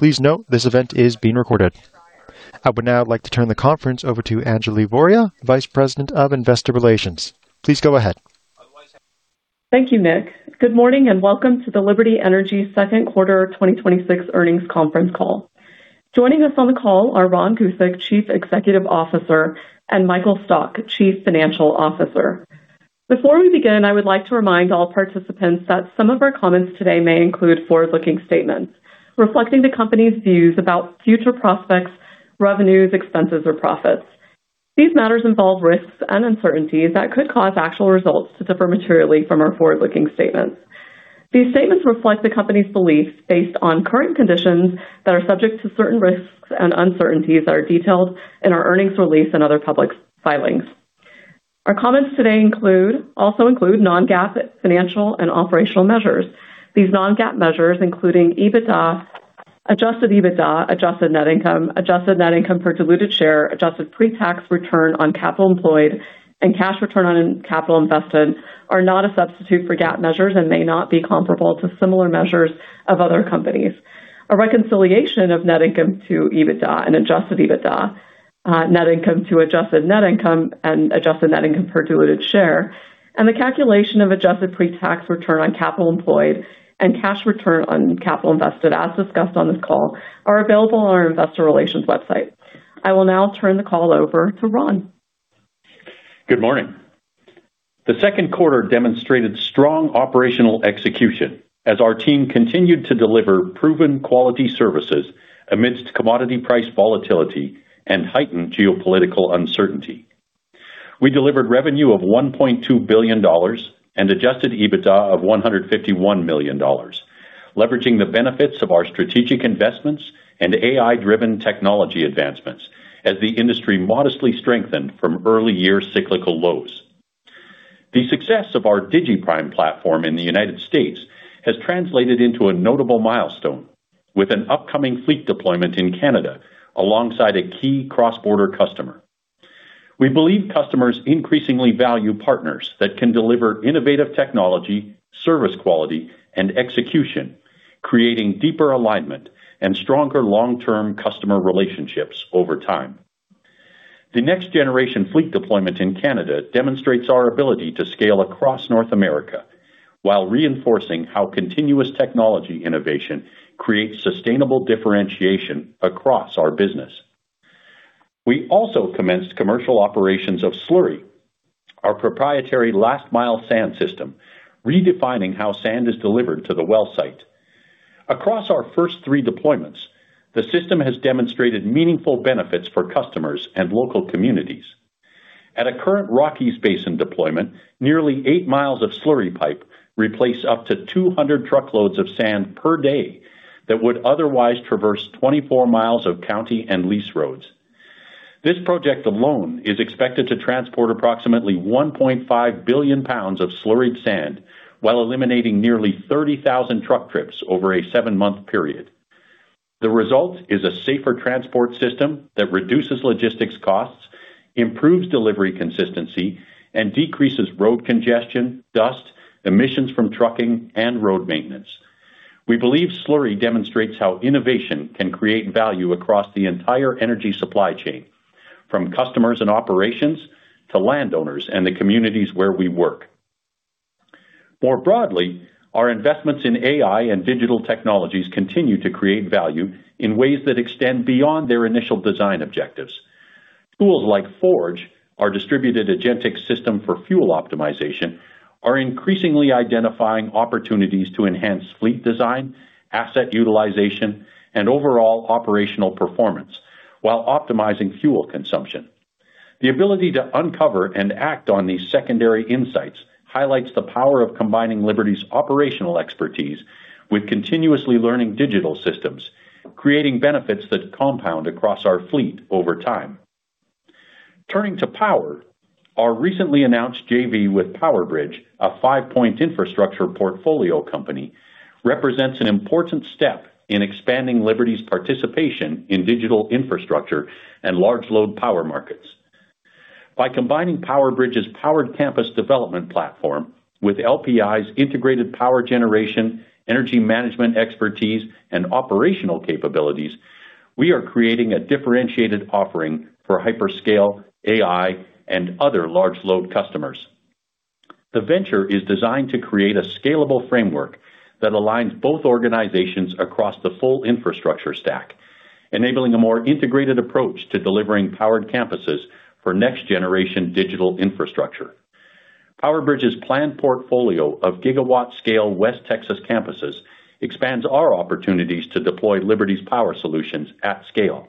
Please note this event is being recorded. I would now like to turn the conference over to Anjali Voria, Vice President of Investor Relations. Please go ahead. Thank you, Nick. Good morning and welcome to the Liberty Energy second quarter 2026 earnings conference call. Joining us on the call are Ron Gusek, Chief Executive Officer, and Michael Stock, Chief Financial Officer. Before we begin, I would like to remind all participants that some of our comments today may include forward-looking statements reflecting the company's views about future prospects, revenues, expenses, or profits. These matters involve risks and uncertainties that could cause actual results to differ materially from our forward-looking statements. These statements reflect the company's beliefs based on current conditions that are subject to certain risks and uncertainties that are detailed in our earnings release and other public filings. Our comments today also include non-GAAP financial and operational measures. These non-GAAP measures, including EBITDA, adjusted EBITDA, adjusted net income, adjusted net income per diluted share, adjusted pre-tax return on capital employed, and cash return on capital invested are not a substitute for GAAP measures and may not be comparable to similar measures of other companies. A reconciliation of net income to EBITDA and adjusted EBITDA, net income to adjusted net income and adjusted net income per diluted share, and the calculation of adjusted pre-tax return on capital employed and cash return on capital invested as discussed on this call are available on our investor relations website. I will now turn the call over to Ron. Good morning. The second quarter demonstrated strong operational execution as our team continued to deliver proven quality services amidst commodity price volatility and heightened geopolitical uncertainty. We delivered revenue of $1.2 billion and adjusted EBITDA of $151 million, leveraging the benefits of our strategic investments and AI-driven technology advancements as the industry modestly strengthened from early-year cyclical lows. The success of our digiPrime platform in the United States has translated into a notable milestone with an upcoming fleet deployment in Canada alongside a key cross-border customer. We believe customers increasingly value partners that can deliver innovative technology, service quality, and execution, creating deeper alignment and stronger long-term customer relationships over time. The next-generation fleet deployment in Canada demonstrates our ability to scale across North America while reinforcing how continuous technology innovation creates sustainable differentiation across our business. We also commenced commercial operations of Slurry, our proprietary last-mile sand system, redefining how sand is delivered to the well site. Across our first three deployments, the system has demonstrated meaningful benefits for customers and local communities. At a current Rockies basin deployment, nearly eight miles of Slurry pipe replace up to 200 truckloads of sand per day that would otherwise traverse 24 miles of county and lease roads. This project alone is expected to transport approximately 1.5 billion pounds of slurried sand while eliminating nearly 30,000 truck trips over a seven-month period. The result is a safer transport system that reduces logistics costs, improves delivery consistency, and decreases road congestion, dust, emissions from trucking, and road maintenance. We believe Slurry demonstrates how innovation can create value across the entire energy supply chain, from customers and operations to landowners and the communities where we work. More broadly, our investments in AI and digital technologies continue to create value in ways that extend beyond their initial design objectives. Tools like Forge, our distributed agentic system for fuel optimization, are increasingly identifying opportunities to enhance fleet design, asset utilization, and overall operational performance while optimizing fuel consumption. The ability to uncover and act on these secondary insights highlights the power of combining Liberty's operational expertise with continuously learning digital systems, creating benefits that compound across our fleet over time. Turning to power, our recently announced JV with PowerBridge, a Five Point Infrastructure portfolio company, represents an important step in expanding Liberty's participation in digital infrastructure and large load power markets. By combining PowerBridge's powered campus development platform with LPI's integrated power generation, energy management expertise, and operational capabilities, we are creating a differentiated offering for hyperscale, AI, and other large load customers. The venture is designed to create a scalable framework that aligns both organizations across the full infrastructure stack, enabling a more integrated approach to delivering powered campuses for next-generation digital infrastructure. PowerBridge's planned portfolio of gigawatt-scale West Texas campuses expands our opportunities to deploy Liberty's power solutions at scale.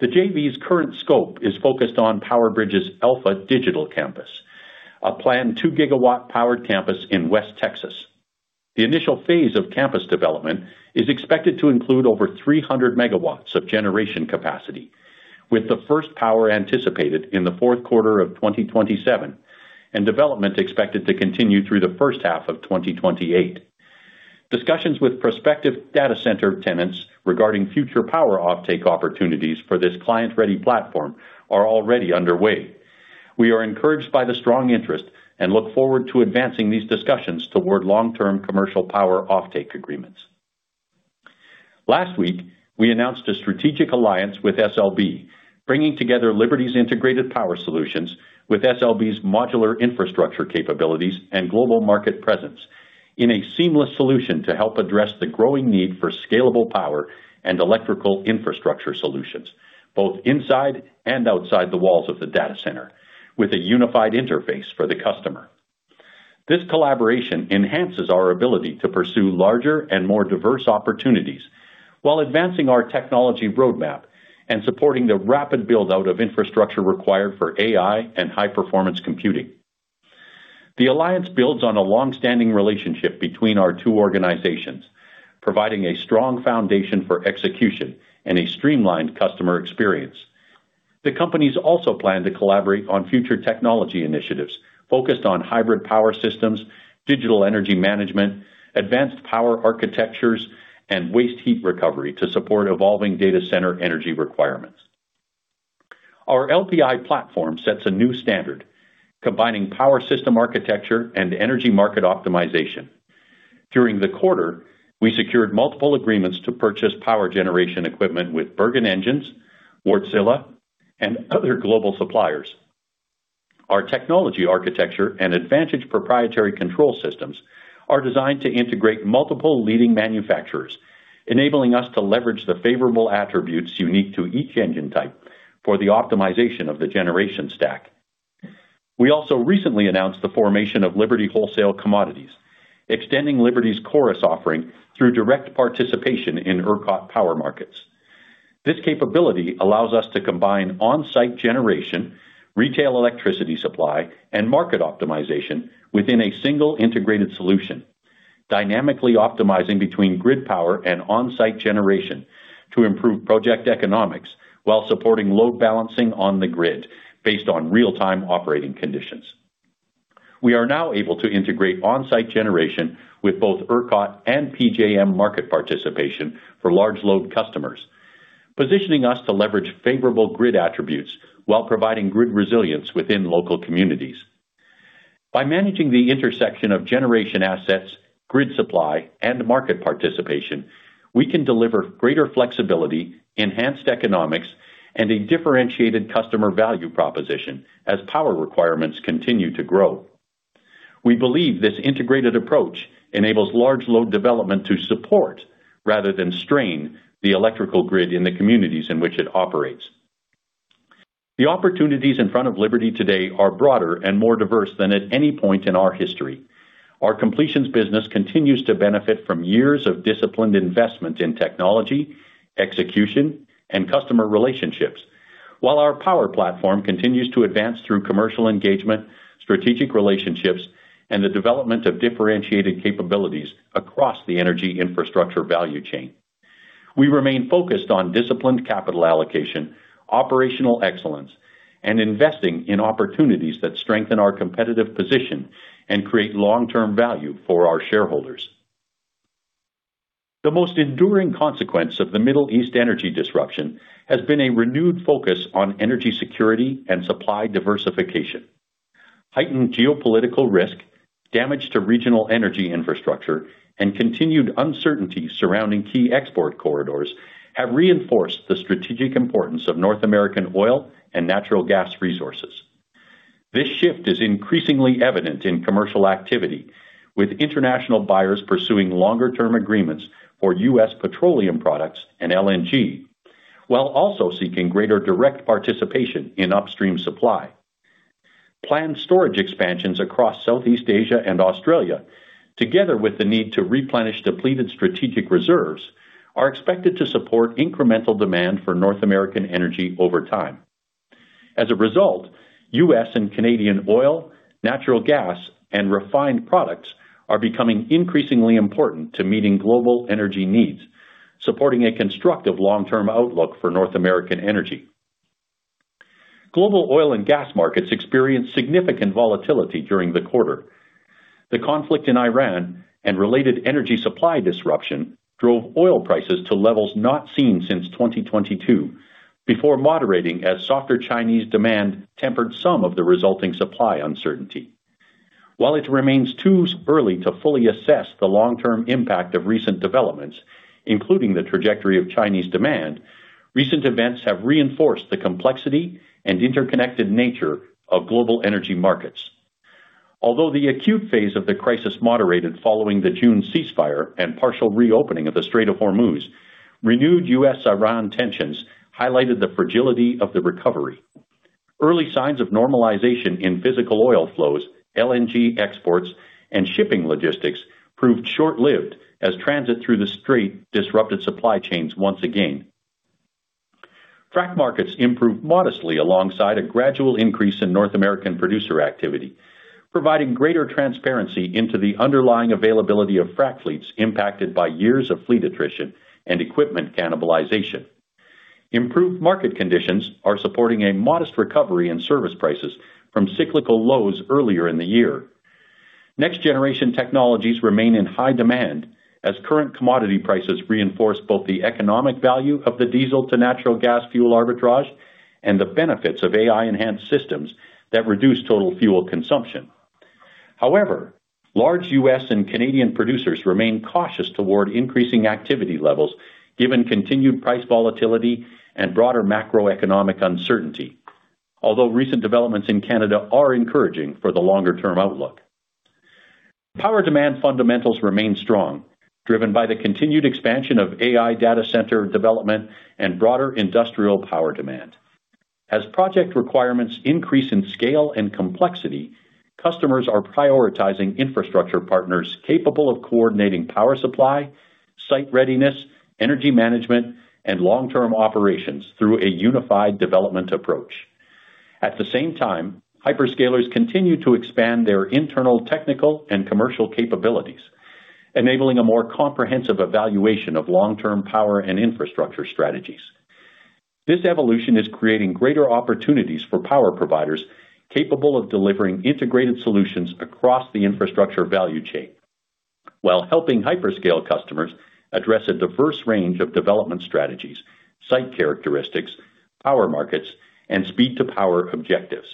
The JV's current scope is focused on PowerBridge's Alpha Digital Campus, a planned 2 GW powered campus in West Texas. The initial phase of campus development is expected to include over 300 MW of generation capacity, with the first power anticipated in the fourth quarter of 2027 and development expected to continue through the first half of 2028. Discussions with prospective data center tenants regarding future power offtake opportunities for this client-ready platform are already underway. We are encouraged by the strong interest and look forward to advancing these discussions toward long-term commercial power offtake agreements. Last week, we announced a strategic alliance with SLB, bringing together Liberty's integrated power solutions with SLB's modular infrastructure capabilities and global market presence in a seamless solution to help address the growing need for scalable power and electrical infrastructure solutions, both inside and outside the walls of the data center, with a unified interface for the customer. This collaboration enhances our ability to pursue larger and more diverse opportunities while advancing our technology roadmap and supporting the rapid build-out of infrastructure required for AI and high-performance computing. The alliance builds on a longstanding relationship between our two organizations, providing a strong foundation for execution and a streamlined customer experience. The companies also plan to collaborate on future technology initiatives focused on hybrid power systems, digital energy management, advanced power architectures, and waste heat recovery to support evolving data center energy requirements. Our LPI platform sets a new standard, combining power system architecture and energy market optimization. During the quarter, we secured multiple agreements to purchase power generation equipment with Bergen Engines, Wärtsilä, and other global suppliers. Our technology, architecture, and advantage proprietary control systems are designed to integrate multiple leading manufacturers, enabling us to leverage the favorable attributes unique to each engine type for the optimization of the generation stack. We also recently announced the formation of Liberty Wholesale Commodities, extending Liberty's Chorus offering through direct participation in ERCOT power markets. This capability allows us to combine on-site generation, retail electricity supply, and market optimization within a single integrated solution, dynamically optimizing between grid power and on-site generation to improve project economics while supporting load balancing on the grid based on real-time operating conditions. We are now able to integrate on-site generation with both ERCOT and PJM market participation for large load customers, positioning us to leverage favorable grid attributes while providing grid resilience within local communities. By managing the intersection of generation assets, grid supply, and market participation, we can deliver greater flexibility, enhanced economics, and a differentiated customer value proposition as power requirements continue to grow. We believe this integrated approach enables large load development to support rather than strain the electrical grid in the communities in which it operates. The opportunities in front of Liberty today are broader and more diverse than at any point in our history. Our completions business continues to benefit from years of disciplined investment in technology, execution, and customer relationships. While our power platform continues to advance through commercial engagement, strategic relationships, and the development of differentiated capabilities across the energy infrastructure value chain. We remain focused on disciplined capital allocation, operational excellence, and investing in opportunities that strengthen our competitive position and create long-term value for our shareholders. The most enduring consequence of the Middle East energy disruption has been a renewed focus on energy security and supply diversification. Heightened geopolitical risk, damage to regional energy infrastructure, and continued uncertainty surrounding key export corridors have reinforced the strategic importance of North American oil and natural gas resources. This shift is increasingly evident in commercial activity, with international buyers pursuing longer-term agreements for U.S. petroleum products and LNG, while also seeking greater direct participation in upstream supply. Planned storage expansions across Southeast Asia and Australia, together with the need to replenish depleted strategic reserves, are expected to support incremental demand for North American energy over time. As a result, U.S. and Canadian oil, natural gas, and refined products are becoming increasingly important to meeting global energy needs, supporting a constructive long-term outlook for North American energy. Global oil and gas markets experienced significant volatility during the quarter. The conflict in Iran and related energy supply disruption drove oil prices to levels not seen since 2022, before moderating as softer Chinese demand tempered some of the resulting supply uncertainty. While it remains too early to fully assess the long-term impact of recent developments, including the trajectory of Chinese demand, recent events have reinforced the complexity and interconnected nature of global energy markets. Although the acute phase of the crisis moderated following the June ceasefire and partial reopening of the Strait of Hormuz, renewed U.S.-Iran tensions highlighted the fragility of the recovery. Early signs of normalization in physical oil flows, LNG exports, and shipping logistics proved short-lived as transit through the strait disrupted supply chains once again. Frac markets improved modestly alongside a gradual increase in North American producer activity, providing greater transparency into the underlying availability of frac fleets impacted by years of fleet attrition and equipment cannibalization. Improved market conditions are supporting a modest recovery in service prices from cyclical lows earlier in the year. Next-generation technologies remain in high demand as current commodity prices reinforce both the economic value of the diesel to natural gas fuel arbitrage and the benefits of AI-enhanced systems that reduce total fuel consumption. However, large U.S. and Canadian producers remain cautious toward increasing activity levels given continued price volatility and broader macroeconomic uncertainty. Although recent developments in Canada are encouraging for the longer-term outlook. Power demand fundamentals remain strong, driven by the continued expansion of AI data center development and broader industrial power demand. As project requirements increase in scale and complexity, customers are prioritizing infrastructure partners capable of coordinating power supply, site readiness, energy management, and long-term operations through a unified development approach. At the same time, hyperscalers continue to expand their internal technical and commercial capabilities, enabling a more comprehensive evaluation of long-term power and infrastructure strategies. This evolution is creating greater opportunities for power providers capable of delivering integrated solutions across the infrastructure value chain, while helping hyperscale customers address a diverse range of development strategies, site characteristics, power markets, and speed-to-power objectives.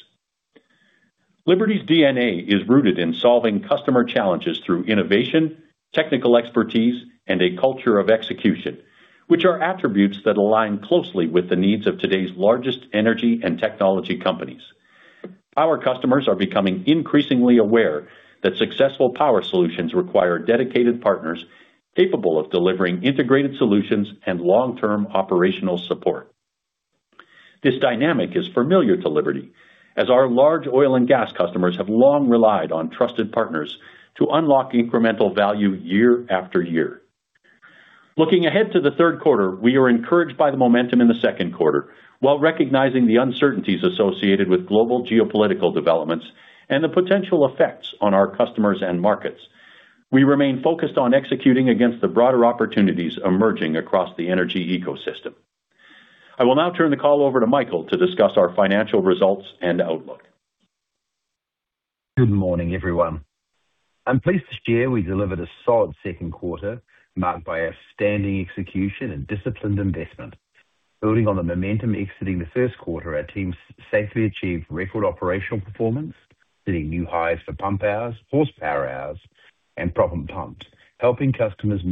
Liberty's DNA is rooted in solving customer challenges through innovation, technical expertise, and a culture of execution, which are attributes that align closely with the needs of today's largest energy and technology companies. Our customers are becoming increasingly aware that successful power solutions require dedicated partners capable of delivering integrated solutions and long-term operational support. This dynamic is familiar to Liberty, as our large oil and gas customers have long relied on trusted partners to unlock incremental value year after year. Looking ahead to the third quarter, we are encouraged by the momentum in the second quarter while recognizing the uncertainties associated with global geopolitical developments and the potential effects on our customers and markets. We remain focused on executing against the broader opportunities emerging across the energy ecosystem. I will now turn the call over to Michael to discuss our financial results and outlook. Good morning, everyone. I am pleased to share we delivered a solid second quarter marked by outstanding execution and disciplined investment. Building on the momentum exiting the first quarter, our teams safely achieved record operational performance, hitting new highs for pump hours, horsepower hours, and pump, helping customers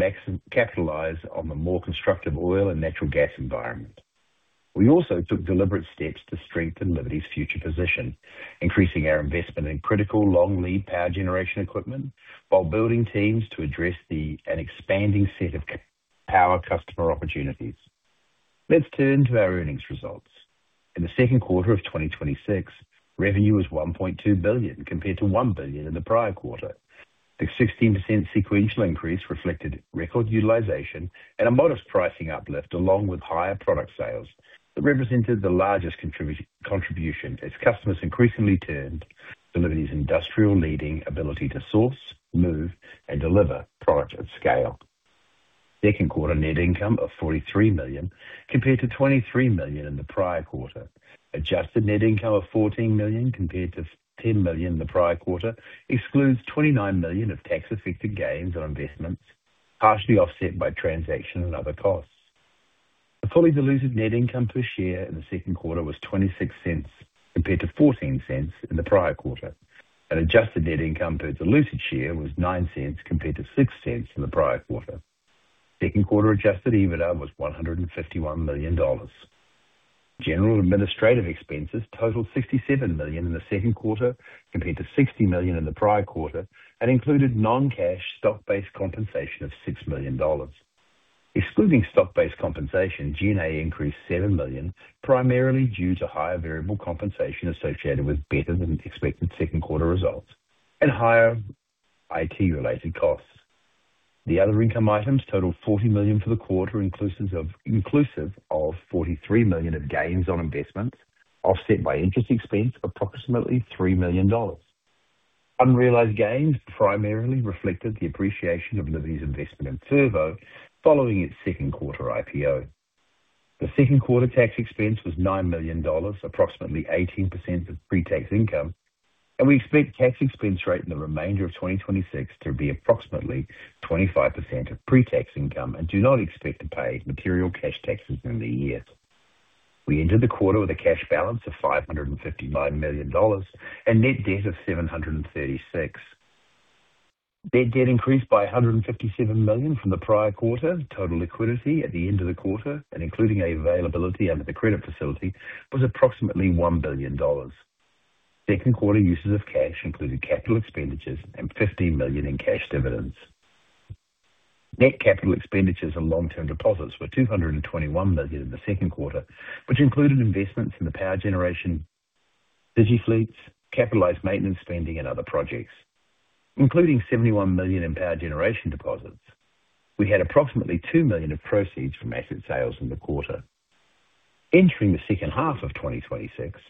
capitalize on the more constructive oil and natural gas environment. We also took deliberate steps to strengthen Liberty's future position, increasing our investment in critical long lead power generation equipment while building teams to address an expanding set of power customer opportunities. Let us turn to our earnings results. In the second quarter of 2026, revenue was $1.2 billion compared to $1 billion in the prior quarter. The 16% sequential increase reflected record utilization and a modest pricing uplift along with higher product sales that represented the largest contribution as customers increasingly turned to Liberty's industry-leading ability to source, move, and deliver products at scale. Second quarter net income of $43 million compared to $23 million in the prior quarter. Adjusted net income of $14 million compared to $10 million in the prior quarter excludes $29 million of tax-affected gains on investments, partially offset by transaction and other costs. The fully diluted net income per share in the second quarter was $0.26 compared to $0.14 in the prior quarter. An adjusted net income per diluted share was $0.09 compared to $0.06 in the prior quarter. Second quarter adjusted EBITDA was $151 million. General administrative expenses totaled $67 million in the second quarter compared to $60 million in the prior quarter and included non-cash stock-based compensation of $6 million. Excluding stock-based compensation, G&A increased $7 million, primarily due to higher variable compensation associated with better-than-expected second quarter results and higher IT-related costs. The other income items totaled $40 million for the quarter, inclusive of $43 million of gains on investments offset by interest expense approximately $3 million. Unrealized gains primarily reflected the appreciation of Liberty's investment in Turbo following its second quarter IPO. The second quarter tax expense was $9 million, approximately 18% of pre-tax income, and we expect tax expense rate in the remainder of 2026 to be approximately 25% of pre-tax income and do not expect to pay material cash taxes in the year. We entered the quarter with a cash balance of $559 million and net debt of $736 million. Net debt increased by $157 million from the prior quarter. Total liquidity at the end of the quarter and including availability under the credit facility was approximately $1 billion. Second quarter uses of cash included capital expenditures and $15 million in cash dividends. Net capital expenditures and long-term deposits were $221 million in the second quarter, which included investments in the power generation, digiFleets, capitalized maintenance spending, and other projects, including $71 million in power generation deposits. We had approximately $2 million of proceeds from asset sales in the quarter. Entering the second half of 2026,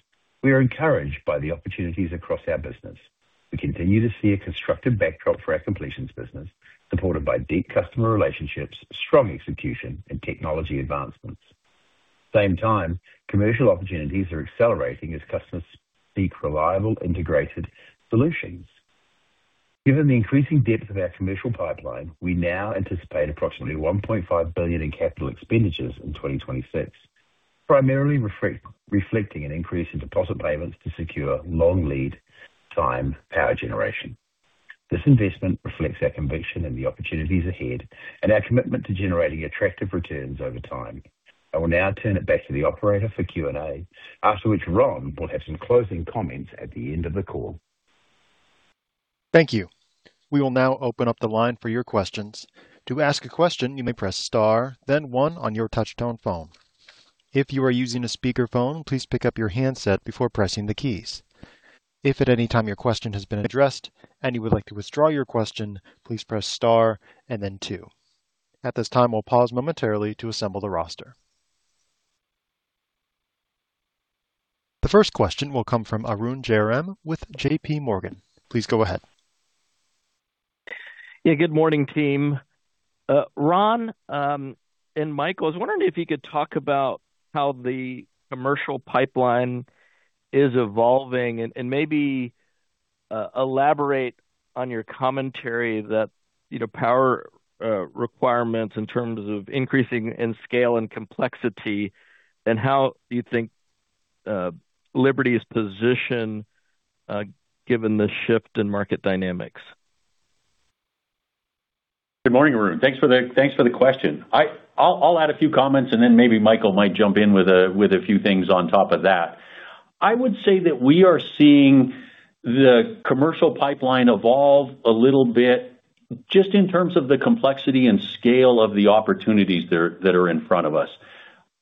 we are encouraged by the opportunities across our business. We continue to see a constructive backdrop for our completions business, supported by deep customer relationships, strong execution, and technology advancements. Same time, commercial opportunities are accelerating as customers seek reliable integrated solutions. Given the increasing depth of our commercial pipeline, we now anticipate approximately $1.5 billion in capital expenditures in 2026, primarily reflecting an increase in deposit payments to secure long lead time power generation. This investment reflects our conviction in the opportunities ahead and our commitment to generating attractive returns over time. I will now turn it back to the operator for Q&A, after which Ron will have some closing comments at the end of the call. Thank you. We will now open up the line for your questions. To ask a question, you may press star then one on your touchtone phone. If you are using a speakerphone, please pick up your handset before pressing the keys. If at any time your question has been addressed and you would like to withdraw your question, please press star and then two. At this time, we'll pause momentarily to assemble the roster. The first question will come from Arun Jayaram with JPMorgan. Please go ahead. Yeah. Good morning, team. Ron, and Michael, I was wondering if you could talk about how the commercial pipeline is evolving and maybe elaborate on your commentary that power requirements in terms of increasing in scale and complexity, and how you think Liberty is positioned given the shift in market dynamics. Good morning, Arun. Thanks for the question. I'll add a few comments, and then maybe Michael might jump in with a few things on top of that. I would say that we are seeing the commercial pipeline evolve a little bit just in terms of the complexity and scale of the opportunities that are in front of us.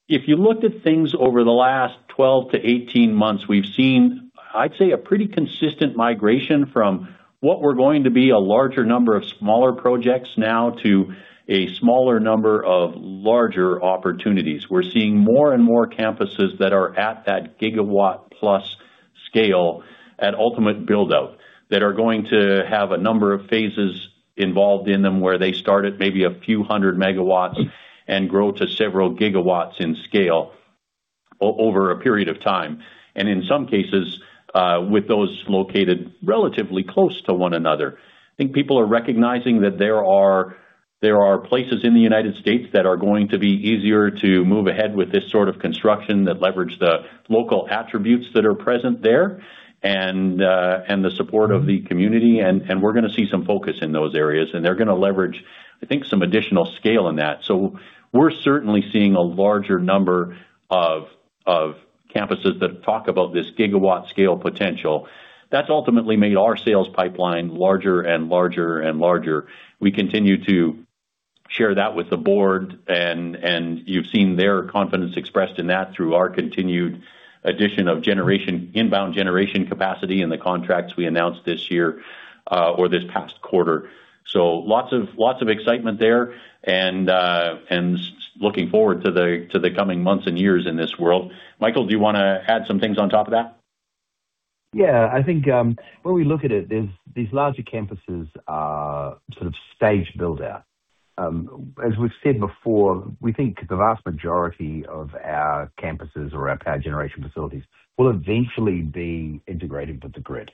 If you looked at things over the last 12 to 18 months, we've seen, I'd say, a pretty consistent migration from what were going to be a larger number of smaller projects now to a smaller number of larger opportunities. We're seeing more and more campuses that are at that gigawatt-plus scale at ultimate build-out that are going to have a number of phases involved in them, where they start at maybe a few hundred megawatts and grow to several gigawatts in scale over a period of time. In some cases, with those located relatively close to one another. I think people are recognizing that there are places in the U.S. that are going to be easier to move ahead with this sort of construction that leverage the local attributes that are present there and the support of the community, and we're going to see some focus in those areas, and they're going to leverage, I think, some additional scale in that. We're certainly seeing a larger number of campuses that talk about this gigawatt-scale potential. That's ultimately made our sales pipeline larger and larger and larger. We continue to share that with the board, and you've seen their confidence expressed in that through our continued addition of inbound generation capacity in the contracts we announced this year or this past quarter. Lots of excitement there and looking forward to the coming months and years in this world. Michael, do you want to add some things on top of that? Yeah, I think, when we look at it, these larger campuses are sort of staged build-out. As we've said before, we think the vast majority of our campuses or our power generation facilities will eventually be integrated with the grid.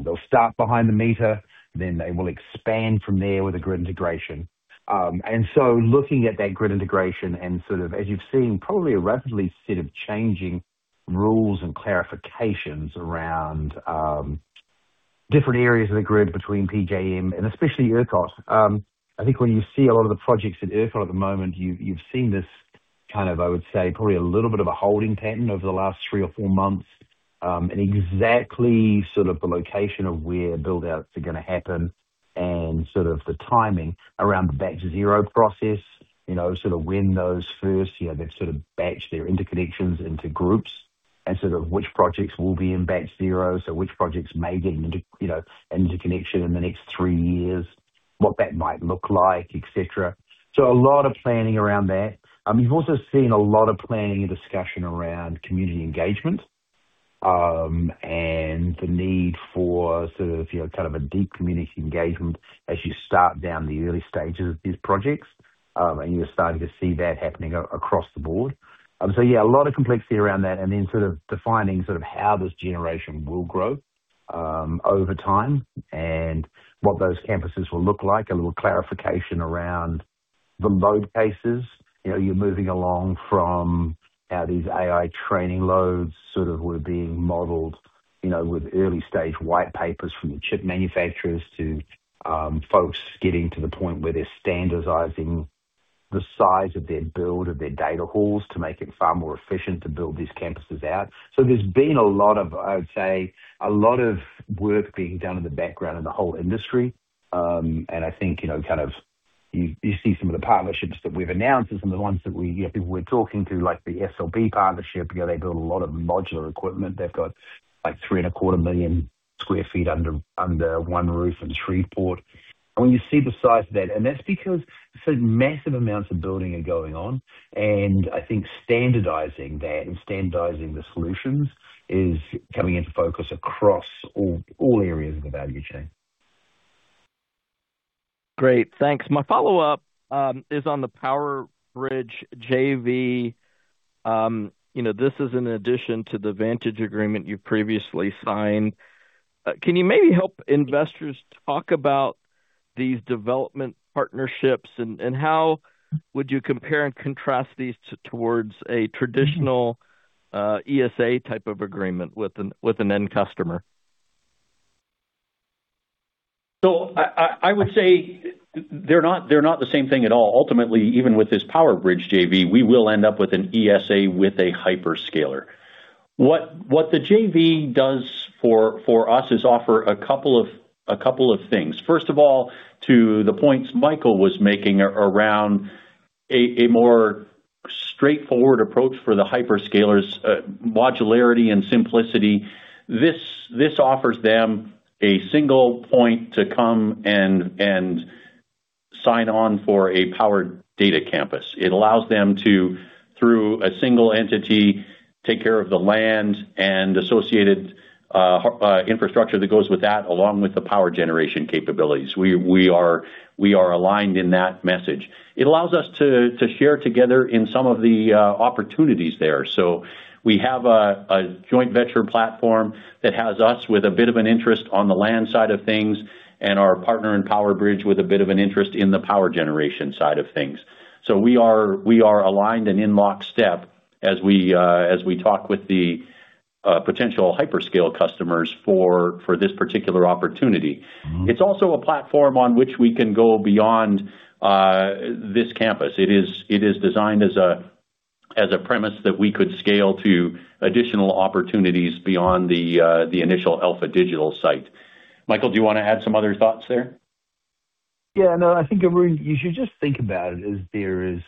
They'll start behind the meter, then they will expand from there with a grid integration. Looking at that grid integration and sort of, as you've seen, probably a relatively set of changing rules and clarifications around different areas of the grid between PJM and especially ERCOT. I think when you see a lot of the projects in ERCOT at the moment, you've seen this kind of, I would say, probably a little bit of a holding pattern over the last three or four months, and exactly sort of the location of where build-outs are going to happen and sort of the timing around the Batch Zero process. Sort of when those first, they've sort of batched their interconnections into groups and sort of which projects will be in Batch Zero, so which projects may get into interconnection in the next three years, what that might look like, et cetera. A lot of planning around that. You've also seen a lot of planning and discussion around community engagement, and the need for sort of a deep community engagement as you start down the early stages of these projects. You're starting to see that happening across the board. Yeah, a lot of complexity around that, and then sort of defining how this generation will grow over time and what those campuses will look like. A little clarification around the load cases. You're moving along from how these AI training loads sort of were being modeled with early-stage white papers from the chip manufacturers to folks getting to the point where they're standardizing the size of their build of their data halls to make it far more efficient to build these campuses out. There's been a lot of, I would say, a lot of work being done in the background in the whole industry. I think, you see some of the partnerships that we've announced and some of the ones that we're talking to, like the SLB partnership. They build a lot of modular equipment. They've got three and a quarter million square feet under one roof in Shreveport. When you see the size of that, and that's because massive amounts of building are going on. I think standardizing that and standardizing the solutions is coming into focus across all areas of the value chain. Great. Thanks. My follow-up is on the PowerBridge JV. This is in addition to the Vantage agreement you previously signed. Can you maybe help investors talk about these development partnerships, and how would you compare and contrast these towards a traditional ESA type of agreement with an end customer? I would say they're not the same thing at all. Ultimately, even with this PowerBridge JV, we will end up with an ESA with a hyperscaler. What the JV does for us is offer a couple of things. First of all, to the points Michael was making around a more straightforward approach for the hyperscalers, modularity and simplicity. This offers them a single point to come and sign on for a powered data campus. It allows them to, through a single entity, take care of the land and associated infrastructure that goes with that, along with the power generation capabilities. We are aligned in that message. It allows us to share together in some of the opportunities there. We have a joint venture platform that has us with a bit of an interest on the land side of things and our partner in PowerBridge with a bit of an interest in the power generation side of things. We are aligned and in lockstep as we talk with the potential hyperscale customers for this particular opportunity. It is also a platform on which we can go beyond this campus. It is designed as a premise that we could scale to additional opportunities beyond the initial Alpha Digital site. Michael, do you want to add some other thoughts there? Yeah, no, I think, Arun, you should just think about it as there is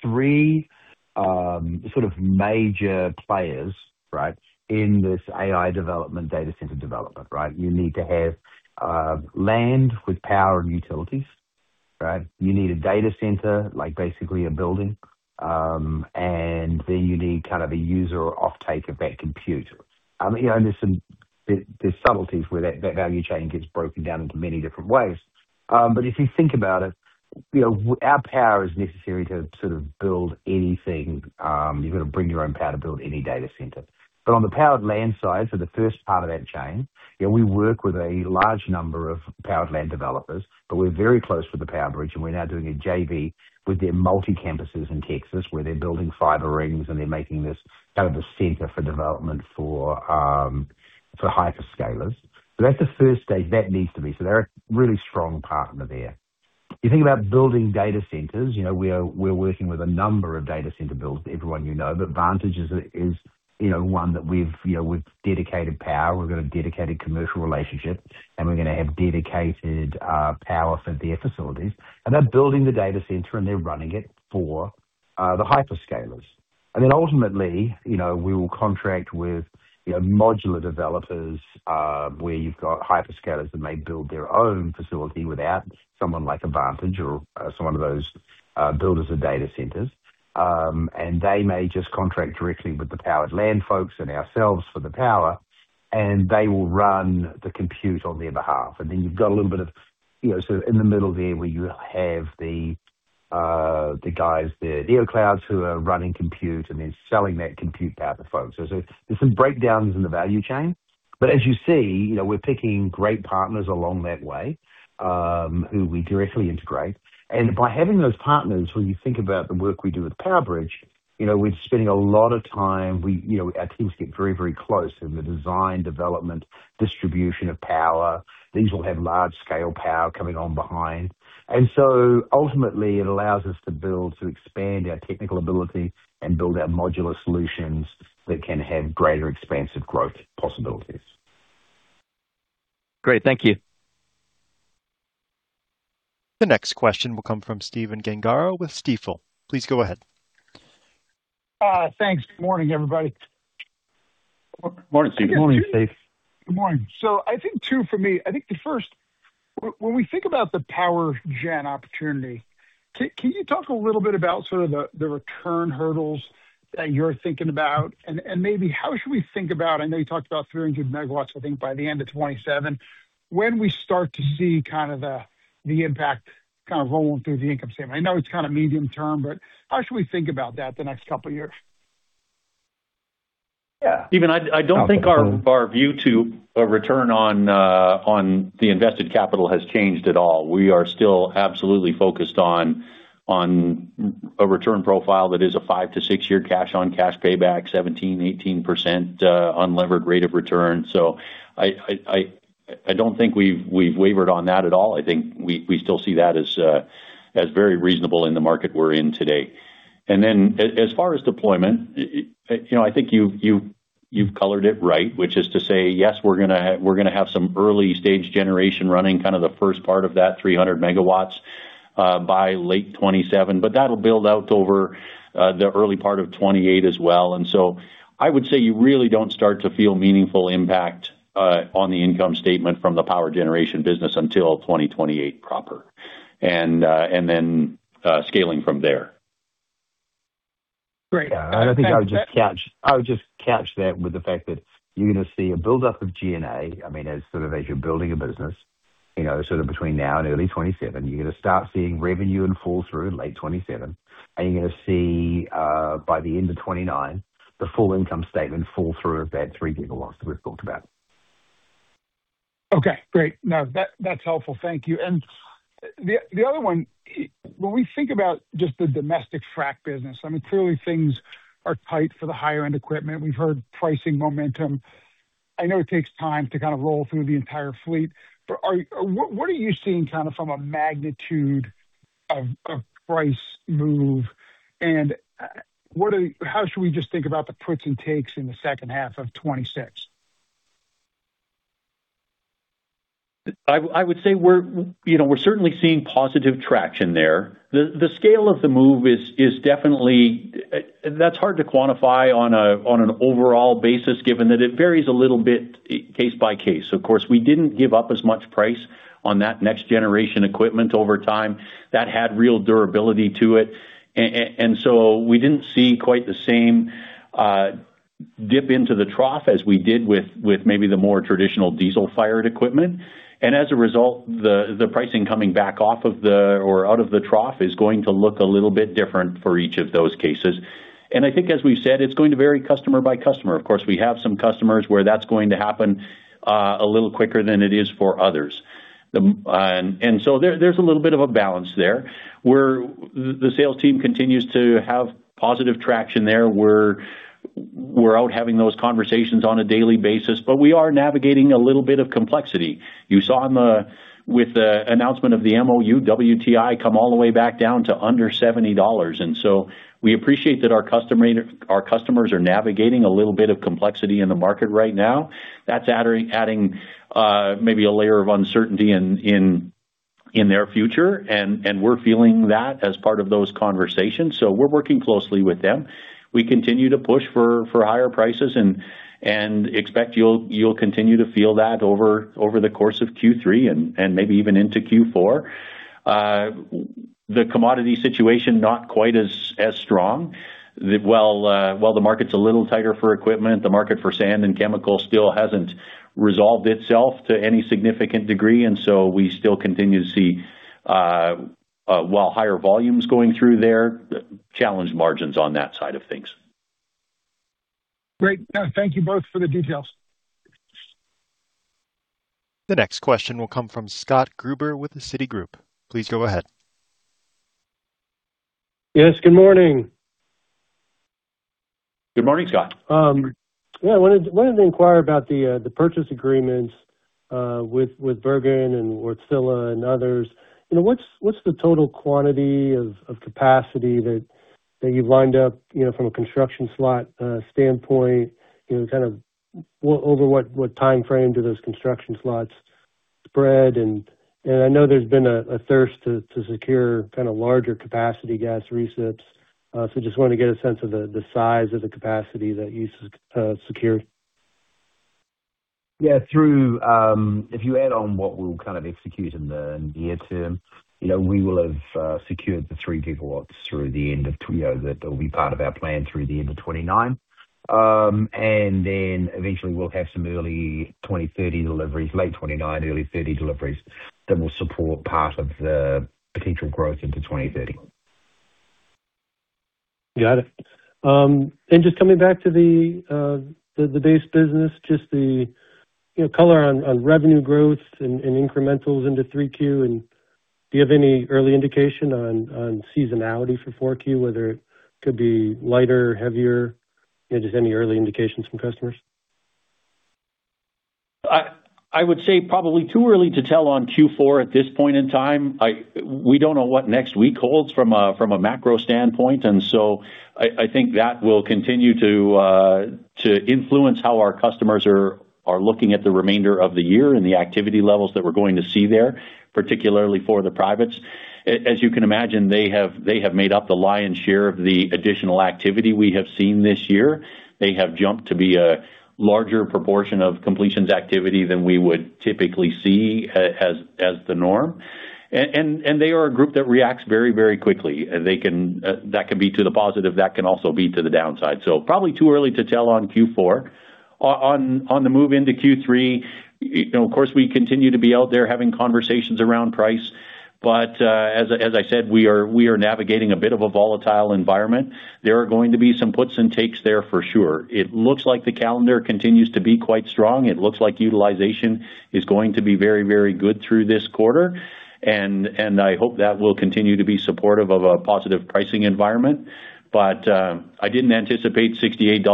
three sort of major players, right, in this AI development, data center development, right? You need to have land with power and utilities, right? You need a data center, like basically a building, and then you need kind of a user or offtake of that compute. There's subtleties where that value chain gets broken down into many different ways. If you think about it, our power is necessary to sort of build anything. You've got to bring your own power to build any data center. On the powered land side, so the first part of that chain, we work with a large number of powered land developers, but we're very close with the PowerBridge, and we're now doing a JV with their multi-campuses in Texas, where they're building fiber rings, and they're making this kind of the center for development for hyperscalers. That's the first stage. That needs to be. They're a really strong partner there. You think about building data centers. We're working with a number of data center builds that everyone you know, but Vantage is one that we've dedicated power, we've got a dedicated commercial relationship, and we're going to have dedicated power for their facilities, and they're building the data center, and they're running it for the hyperscalers. Ultimately, we will contract with modular developers, where you've got hyperscalers that may build their own facility without someone like a Vantage or some of those builders of data centers. They may just contract directly with the powered land folks and ourselves for the power, and they will run the compute on their behalf. You've got a little bit of, sort of in the middle there where you have the guys there, the neoclouds, who are running compute and then selling that compute power to folks. There's some breakdowns in the value chain. As you see, we're picking great partners along that way, who we directly integrate. By having those partners, when you think about the work we do with PowerBridge, we're spending a lot of time. Our teams get very close in the design, development, distribution of power. These will have large-scale power coming on behind. Ultimately, it allows us to build, to expand our technical ability and build our modular solutions that can have greater expansive growth possibilities. Great. Thank you. The next question will come from Stephen Gengaro with Stifel. Please go ahead. Thanks. Good morning, everybody. Morning, Stephen. Morning, Stephen. Good morning. I think two for me. I think the first, when we think about the power gen opportunity, can you talk a little bit about sort of the return hurdles that you're thinking about? Maybe how should we think about, I know you talked about 300 MW, I think, by the end of 2027. When we start to see kind of the impact kind of rolling through the income statement. I know it's kind of medium-term, but how should we think about that the next couple of years? Stephen, I don't think our view to a return on the invested capital has changed at all. We are still absolutely focused on a return profile that is a five-six-year cash on cash payback, 17%-18% unlevered rate of return. I don't think we've wavered on that at all. I think we still see that as very reasonable in the market we're in today. Then as far as deployment, I think you've colored it right, which is to say, yes, we're going to have some early-stage generation running, kind of the first part of that 300 MW by late 2027. That'll build out over the early part of 2028 as well. I would say you really don't start to feel meaningful impact on the income statement from the power generation business until 2028 proper, then scaling from there. Great. I think I would just couch that with the fact that you're going to see a buildup of G&A, as you're building a business, sort of between now and early 2027. You're going to start seeing revenue and fall through late 2027. You're going to see, by the end of 2029, the full income statement fall through of that 3 GW that we've talked about. Okay, great. No, that's helpful. Thank you. The other one, when we think about just the domestic frack business, clearly things are tight for the higher-end equipment. We've heard pricing momentum. I know it takes time to kind of roll through the entire fleet, but what are you seeing from a magnitude of price move? How should we just think about the puts and takes in the second half of 2026? I would say we're certainly seeing positive traction there. The scale of the move is definitely, that's hard to quantify on an overall basis, given that it varies a little bit case by case. Of course, we didn't give up as much price on that next-generation equipment over time. That had real durability to it. We didn't see quite the same dip into the trough as we did with maybe the more traditional diesel-fired equipment. As a result, the pricing coming back off of the or out of the trough is going to look a little bit different for each of those cases. I think as we've said, it's going to vary customer by customer. Of course, we have some customers where that's going to happen a little quicker than it is for others. There's a little bit of a balance there, where the sales team continues to have positive traction there. We're out having those conversations on a daily basis, but we are navigating a little bit of complexity. You saw with the announcement of the MOU, WTI come all the way back down to under $70. We appreciate that our customers are navigating a little bit of complexity in the market right now. That's adding maybe a layer of uncertainty in their future, and we're feeling that as part of those conversations. We're working closely with them. We continue to push for higher prices and expect you'll continue to feel that over the course of Q3 and maybe even into Q4. The commodity situation not quite as strong. While the market's a little tighter for equipment, the market for sand and chemical still hasn't resolved itself to any significant degree, so we still continue to see, while higher volume's going through there, challenged margins on that side of things. Great. No, thank you both for the details. The next question will come from Scott Gruber with Citigroup. Please go ahead. Yes, good morning. Good morning, Scott. Wanted to inquire about the purchase agreements with Bergen and Wärtsilä and others. What's the total quantity of capacity that you've lined up from a construction slot standpoint? Kind of over what timeframe do those construction slots spread? I know there's been a thirst to secure kind of larger capacity gas gensets. Just want to get a sense of the size of the capacity that you secured. If you add on what we'll kind of execute in the near term, we will have secured the 3 GW through the end of that will be part of our plan through the end of 2029. Then eventually we'll have some early 2030 deliveries, late 2029, early 2030 deliveries that will support part of the potential growth into 2030. Got it. Just coming back to the base business, just the color on revenue growth and incrementals into 3Q. Do you have any early indication on seasonality for 4Q, whether it could be lighter, heavier? Just any early indications from customers. I would say probably too early to tell on Q4 at this point in time. We don't know what next week holds from a macro standpoint. I think that will continue to influence how our customers are looking at the remainder of the year and the activity levels that we're going to see there, particularly for the privates. As you can imagine, they have made up the lion's share of the additional activity we have seen this year. They have jumped to be a larger proportion of completions activity than we would typically see as the norm. They are a group that reacts very quickly. That can be to the positive. That can also be to the downside. Probably too early to tell on Q4. On the move into Q3, of course, we continue to be out there having conversations around price. As I said, we are navigating a bit of a volatile environment. There are going to be some puts and takes there for sure. It looks like the calendar continues to be quite strong. It looks like utilization is going to be very good through this quarter. I hope that will continue to be supportive of a positive pricing environment. I didn't anticipate $68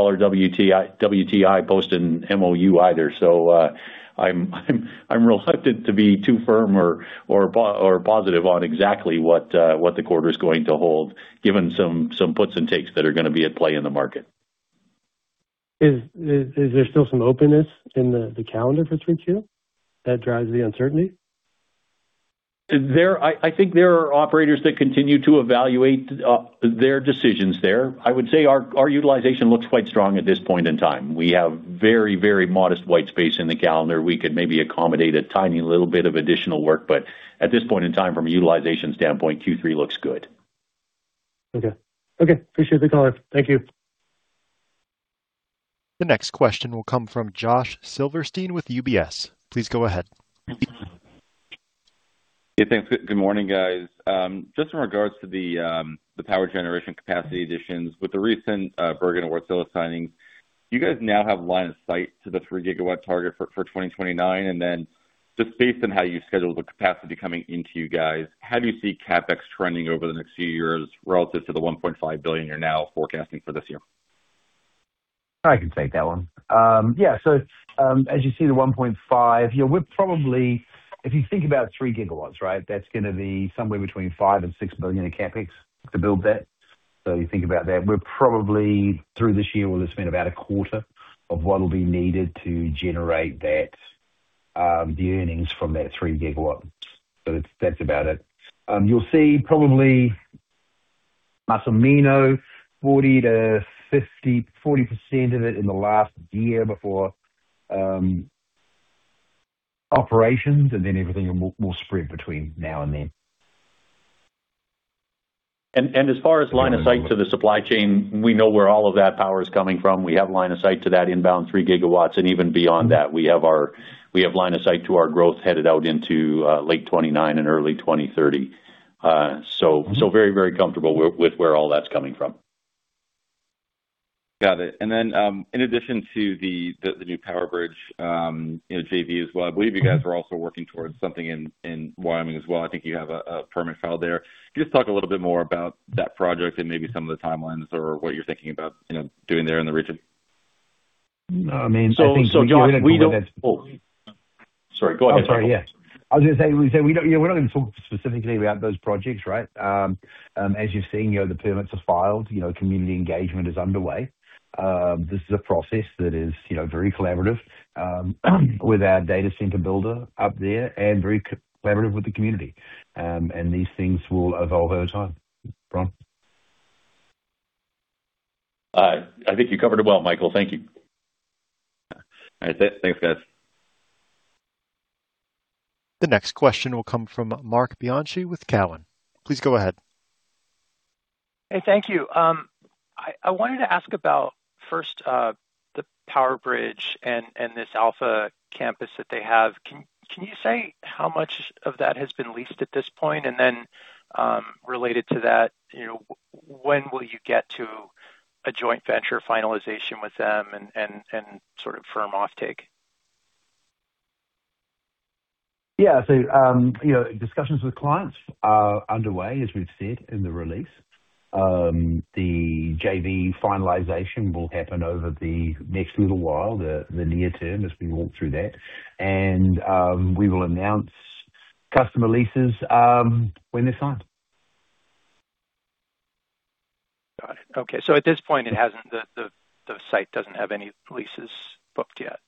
WTI posted in MOU either. I'm reluctant to be too firm or positive on exactly what the quarter's going to hold, given some puts and takes that are going to be at play in the market. Is there still some openness in the calendar for 3Q that drives the uncertainty? I think there are operators that continue to evaluate their decisions there. I would say our utilization looks quite strong at this point in time. We have very modest white space in the calendar. We could maybe accommodate a tiny little bit of additional work, but at this point in time, from a utilization standpoint, Q3 looks good. Okay. Appreciate the color. Thank you. The next question will come from Josh Silverstein with UBS. Please go ahead. Yeah, thanks. Good morning, guys. Just in regards to the power generation capacity additions with the recent Bergen we're signing, do you guys now have line of sight to the 3 GW target for 2029? Then just based on how you schedule the capacity coming into you guys, how do you see CapEx trending over the next few years relative to the $1.5 billion you're now forecasting for this year? I can take that one. Yeah. As you see the $1.5 billion, if you think about 3 GW, right? That's going to be somewhere between $5 billion and $6 billion in CapEx to build that. You think about that. We're probably through this year will have spent about a quarter of what'll be needed to generate the earnings from that 3 GW. That's about it. You'll see probably Massimino, 40% of it in the last year before operations, everything will spread between now and then. As far as line of sight to the supply chain, we know where all of that power is coming from. We have line of sight to that inbound 3 GW, and even beyond that, we have line of sight to our growth headed out into late 2029 and early 2030. Very comfortable with where all that's coming from. Got it. In addition to the new PowerBridge JV as well, I believe you guys are also working towards something in Wyoming as well. I think you have a permit filed there. Can you just talk a little bit more about that project and maybe some of the timelines or what you're thinking about doing there in the region? No, I mean, I think we don't. Josh, we don't. Sorry, go ahead, Michael. I'm sorry. Yeah. I was going to say, we don't even talk specifically about those projects, right? As you've seen, the permits are filed, community engagement is underway. This is a process that is very collaborative, with our data center builder up there and very collaborative with the community. These things will evolve over time. Ron. I think you covered it well, Michael. Thank you. All right. Thanks, guys. The next question will come from Marc Bianchi with Cowen. Please go ahead. Hey, thank you. I wanted to ask about, first, the PowerBridge and this Alpha campus that they have. Can you say how much of that has been leased at this point? Related to that, when will you get to a joint venture finalization with them and sort of firm offtake? Yeah. Discussions with clients are underway, as we've said in the release. The JV finalization will happen over the next little while, the near term, as we walk through that. We will announce customer leases when they're signed. Got it. Okay. At this point, the site doesn't have any leases booked yet?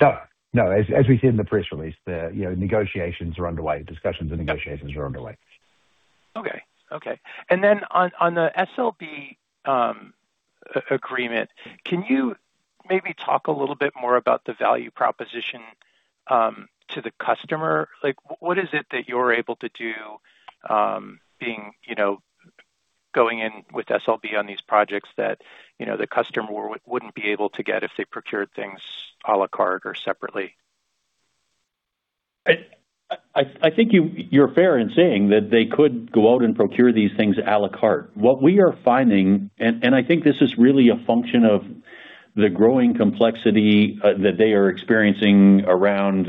No. As we said in the press release, negotiations are underway. Discussions and negotiations are underway. Okay. On the SLB agreement, can you maybe talk a little bit more about the value proposition to the customer? What is it that you're able to do going in with SLB on these projects that the customer wouldn't be able to get if they procured things à la carte or separately? I think you're fair in saying that they could go out and procure these things à la carte. What we are finding, and I think this is really a function of the growing complexity that they are experiencing around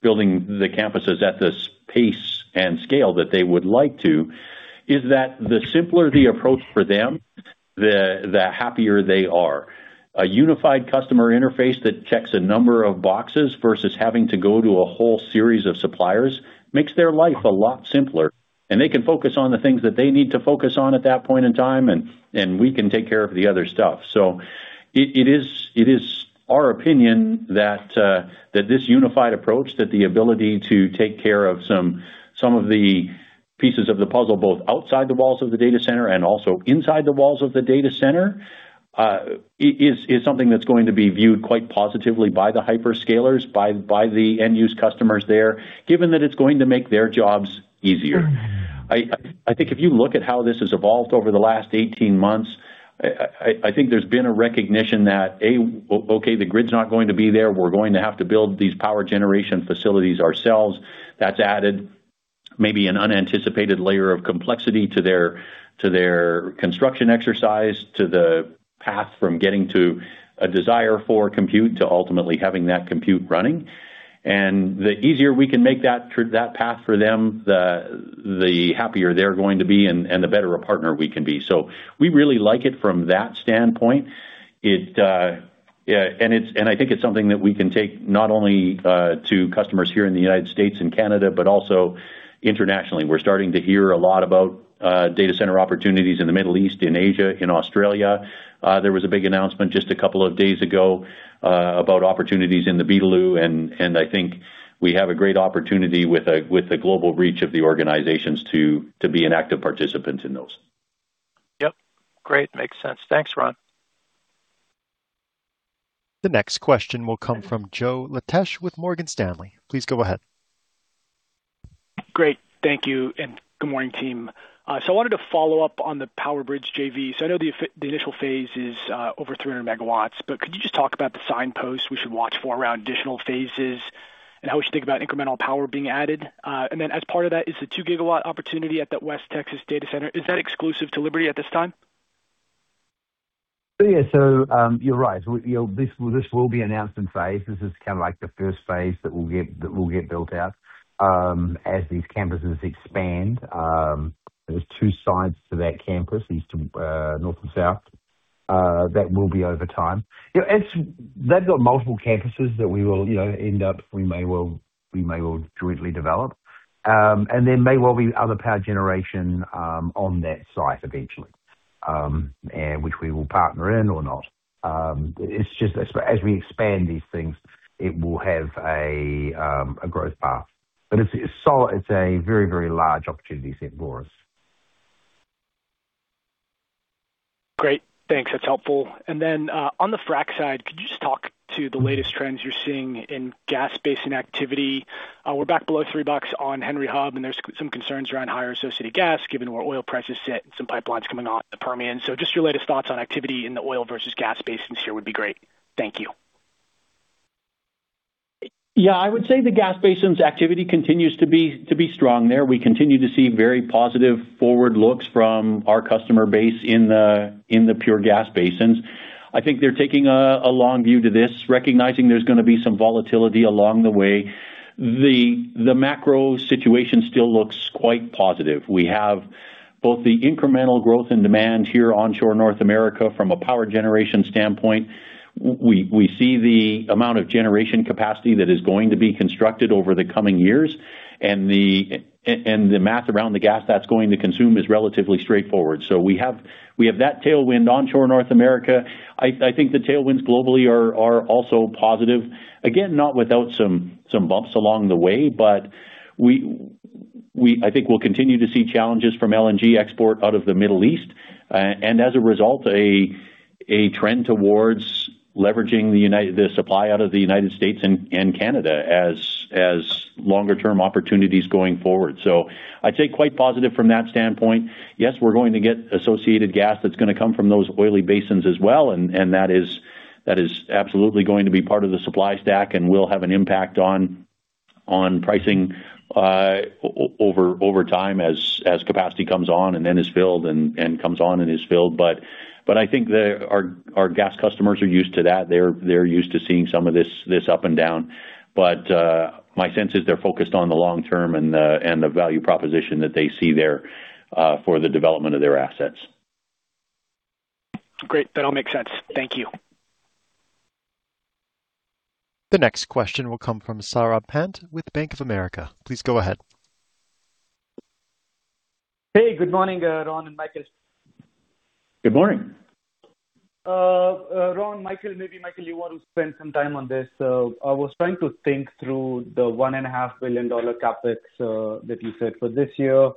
building the campuses at this pace and scale that they would like to, is that the simpler the approach for them, the happier they are. A unified customer interface that checks a number of boxes versus having to go to a whole series of suppliers makes their life a lot simpler, and they can focus on the things that they need to focus on at that point in time, and we can take care of the other stuff. It is our opinion that this unified approach, that the ability to take care of some of the pieces of the puzzle, both outside the walls of the data center and also inside the walls of the data center, is something that's going to be viewed quite positively by the hyperscalers, by the end-use customers there, given that it's going to make their jobs easier. I think if you look at how this has evolved over the last 18 months, I think there's been a recognition that, A, okay, the grid's not going to be there. We're going to have to build these power generation facilities ourselves. That's added maybe an unanticipated layer of complexity to their construction exercise, to the path from getting to a desire for compute to ultimately having that compute running. The easier we can make that path for them, the happier they're going to be and the better a partner we can be. We really like it from that standpoint. I think it's something that we can take not only to customers here in the United States and Canada, but also internationally. We're starting to hear a lot about data center opportunities in the Middle East, in Asia, in Australia. There was a big announcement just a couple of days ago about opportunities in the Benelux, and I think we have a great opportunity with the global reach of the organizations to be an active participant in those. Yep. Great. Makes sense. Thanks, Ron. The next question will come from Joe Laetsch with Morgan Stanley. Please go ahead. Great. Thank you, and good morning, team. I wanted to follow up on the PowerBridge JV. I know the initial phase is over 300 MW, but could you just talk about the signpost we should watch for around additional phases and how we should think about incremental power being added? Then as part of that, is the 2 GW opportunity at that West Texas data center, is that exclusive to Liberty at this time? Yeah. You're right. This will be announced in phases. This is kind of like the first phase that will get built out, as these campuses expand. There are two sides to that campus, north and south, that will be over time. They've got multiple campuses that we may well jointly develop. There may well be other power generation on that site eventually, which we will partner in or not. It's just as we expand these things, it will have a growth path. It's solid. It's a very large opportunity set for us. Great. Thanks. That's helpful. On the frack side, could you just talk to the latest trends you're seeing in gas basin activity? We're back below $3 on Henry Hub, and there's some concerns around higher associated gas given where oil prices sit and some pipelines coming off the Permian. Just your latest thoughts on activity in the oil versus gas basins here would be great. Thank you. Yeah. I would say the gas basins activity continues to be strong there. We continue to see very positive forward looks from our customer base in the pure gas basins. I think they're taking a long view to this, recognizing there's going to be some volatility along the way. The macro situation still looks quite positive. We have both the incremental growth and demand here onshore North America from a power generation standpoint. We see the amount of generation capacity that is going to be constructed over the coming years, and the math around the gas that's going to consume is relatively straightforward. We have that tailwind onshore North America. I think the tailwinds globally are also positive. Again, not without some bumps along the way, but I think we'll continue to see challenges from LNG export out of the Middle East. As a result, a trend towards leveraging the supply out of the United States and Canada as longer-term opportunities going forward. I'd say quite positive from that standpoint. Yes, we're going to get associated gas that's going to come from those oily basins as well, and that is absolutely going to be part of the supply stack and will have an impact on pricing over time as capacity comes on and then is filled and comes on and is filled. I think our gas customers are used to that. They are used to seeing some of this up and down. My sense is they are focused on the long term and the value proposition that they see there for the development of their assets. Great. That all makes sense. Thank you. The next question will come from Saurabh Pant with Bank of America. Please go ahead. Hey, good morning, Ron and Michael. Good morning. Ron, Michael, maybe Michael, you want to spend some time on this. I was trying to think through the $1.5 Billion CapEx that you said for this year.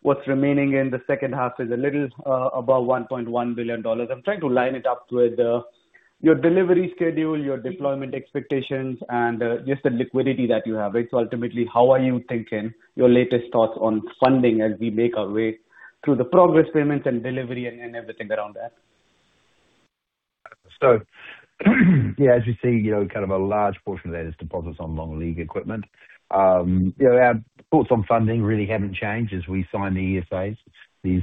What's remaining in the second half is a little above $1.1 billion. I'm trying to line it up with your delivery schedule, your deployment expectations, and just the liquidity that you have. Ultimately, how are you thinking, your latest thoughts on funding as we make our way through the progress payments and delivery and everything around that? Yeah, as you see, a large portion of that is deposits on long lead equipment. Our thoughts on funding really haven't changed as we sign the ESAs. These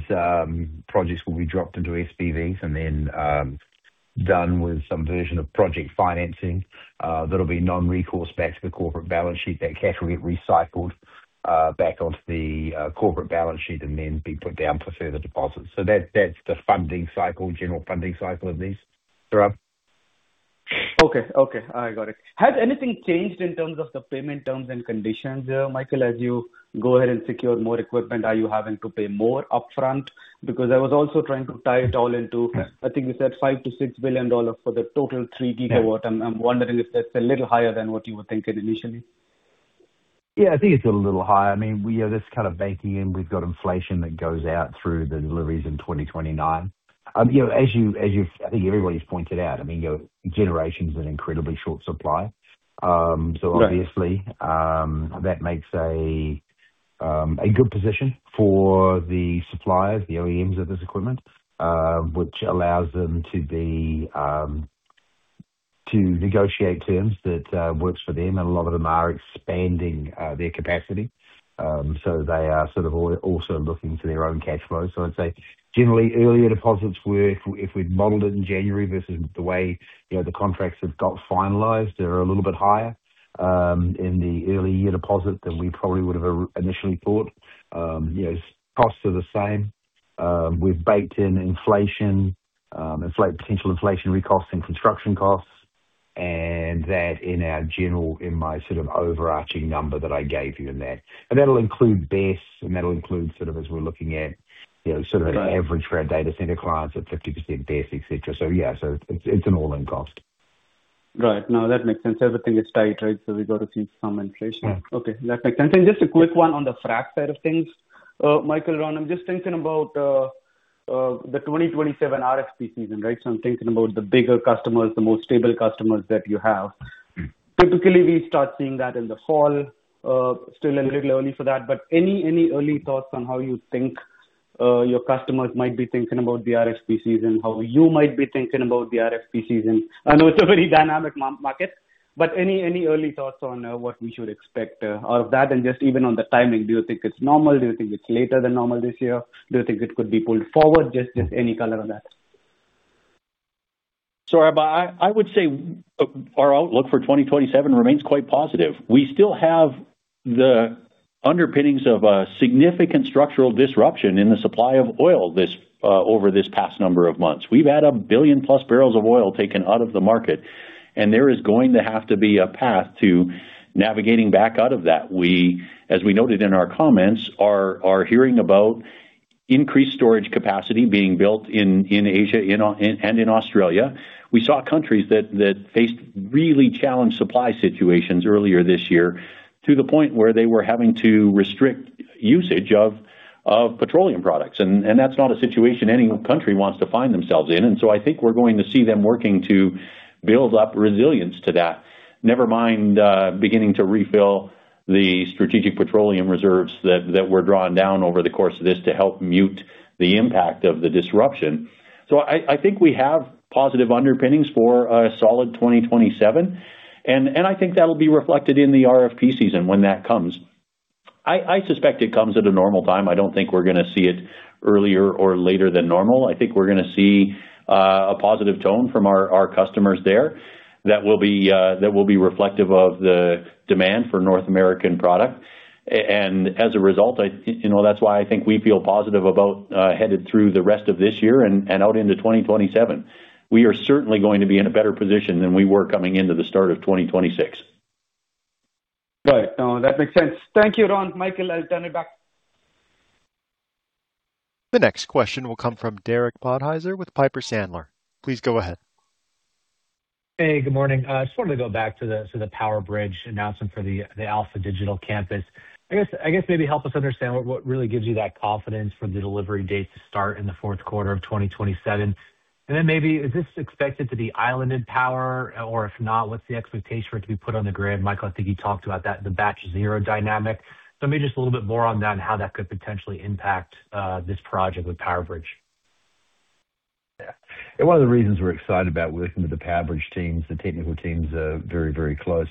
projects will be dropped into SPVs and then done with some version of project financing that will be non-recourse back to the corporate balance sheet. That cash will get recycled back onto the corporate balance sheet and then be put down for further deposits. That's the general funding cycle of these, Saurabh. Okay. I got it. Has anything changed in terms of the payment terms and conditions, Michael? As you go ahead and secure more equipment, are you having to pay more upfront? I was also trying to tie it all into, I think you said $5 billion-$6 billion for the total 3 GW. I'm wondering if that's a little higher than what you were thinking initially. Yeah. I think it's a little higher. That's baking in. We've got inflation that goes out through the deliveries in 2029. As I think everybody's pointed out, generation is an incredibly short supply. Right. Obviously, that makes a good position for the suppliers, the OEMs of this equipment, which allows them to negotiate terms that works for them, and a lot of them are expanding their capacity. They are also looking to their own cash flow. I'd say generally, earlier deposits were, if we modeled it in January versus the way the contracts have got finalized, they are a little bit higher, in the early year deposit than we probably would have initially thought. Costs are the same. We've baked in inflation, potential inflationary costs and construction costs, and that in my overarching number that I gave you in that. That'll include BESS, and that'll include as we're looking at an average for our data center clients at 50% BESS, et cetera. Yeah, it's an all-in cost. Right. No, that makes sense. Everything is tight, right? We got to see some inflation. Yeah. Okay. That makes sense. Just a quick one on the frac side of things. Michael, Ron, I'm just thinking about the 2027 RFP season, right? I'm thinking about the bigger customers, the most stable customers that you have. Typically, we start seeing that in the fall. Still a little early for that, but any early thoughts on how you think your customers might be thinking about the RFP season, how you might be thinking about the RFP season? I know it's a very dynamic market, but any early thoughts on what we should expect out of that? Just even on the timing, do you think it's normal? Do you think it's later than normal this year? Do you think it could be pulled forward? Just any color on that. Saurabh, I would say our outlook for 2027 remains quite positive. We still have the underpinnings of a significant structural disruption in the supply of oil over this past number of months. We've had 1+ billion barrels of oil taken out of the market, there is going to have to be a path to navigating back out of that. We, as we noted in our comments, are hearing about increased storage capacity being built in Asia and in Australia. We saw countries that faced really challenged supply situations earlier this year to the point where they were having to restrict usage of petroleum products. That's not a situation any country wants to find themselves in. I think we're going to see them working to build up resilience to that, never mind beginning to refill the strategic petroleum reserves that were drawn down over the course of this to help mute the impact of the disruption. I think we have positive underpinnings for a solid 2027, I think that'll be reflected in the RFP season when that comes. I suspect it comes at a normal time. I don't think we're going to see it earlier or later than normal. I think we're going to see a positive tone from our customers there that will be reflective of the demand for North American product. As a result, that's why I think we feel positive about headed through the rest of this year and out into 2027. We are certainly going to be in a better position than we were coming into the start of 2026. Right. No, that makes sense. Thank you, Ron. Michael, I'll turn it back. The next question will come from Derek Podhaizer with Piper Sandler. Please go ahead. Hey, good morning. I just wanted to go back to the PowerBridge announcement for the Alpha Digital Campus. I guess maybe help us understand what really gives you that confidence for the delivery date to start in the fourth quarter of 2027. Maybe, is this expected to be islanded power? Or if not, what's the expectation for it to be put on the grid? Michael, I think you talked about that, the Batch Zero dynamic. Maybe just a little bit more on that and how that could potentially impact this project with PowerBridge. Yeah. One of the reasons we're excited about working with the PowerBridge teams, the technical teams are very close,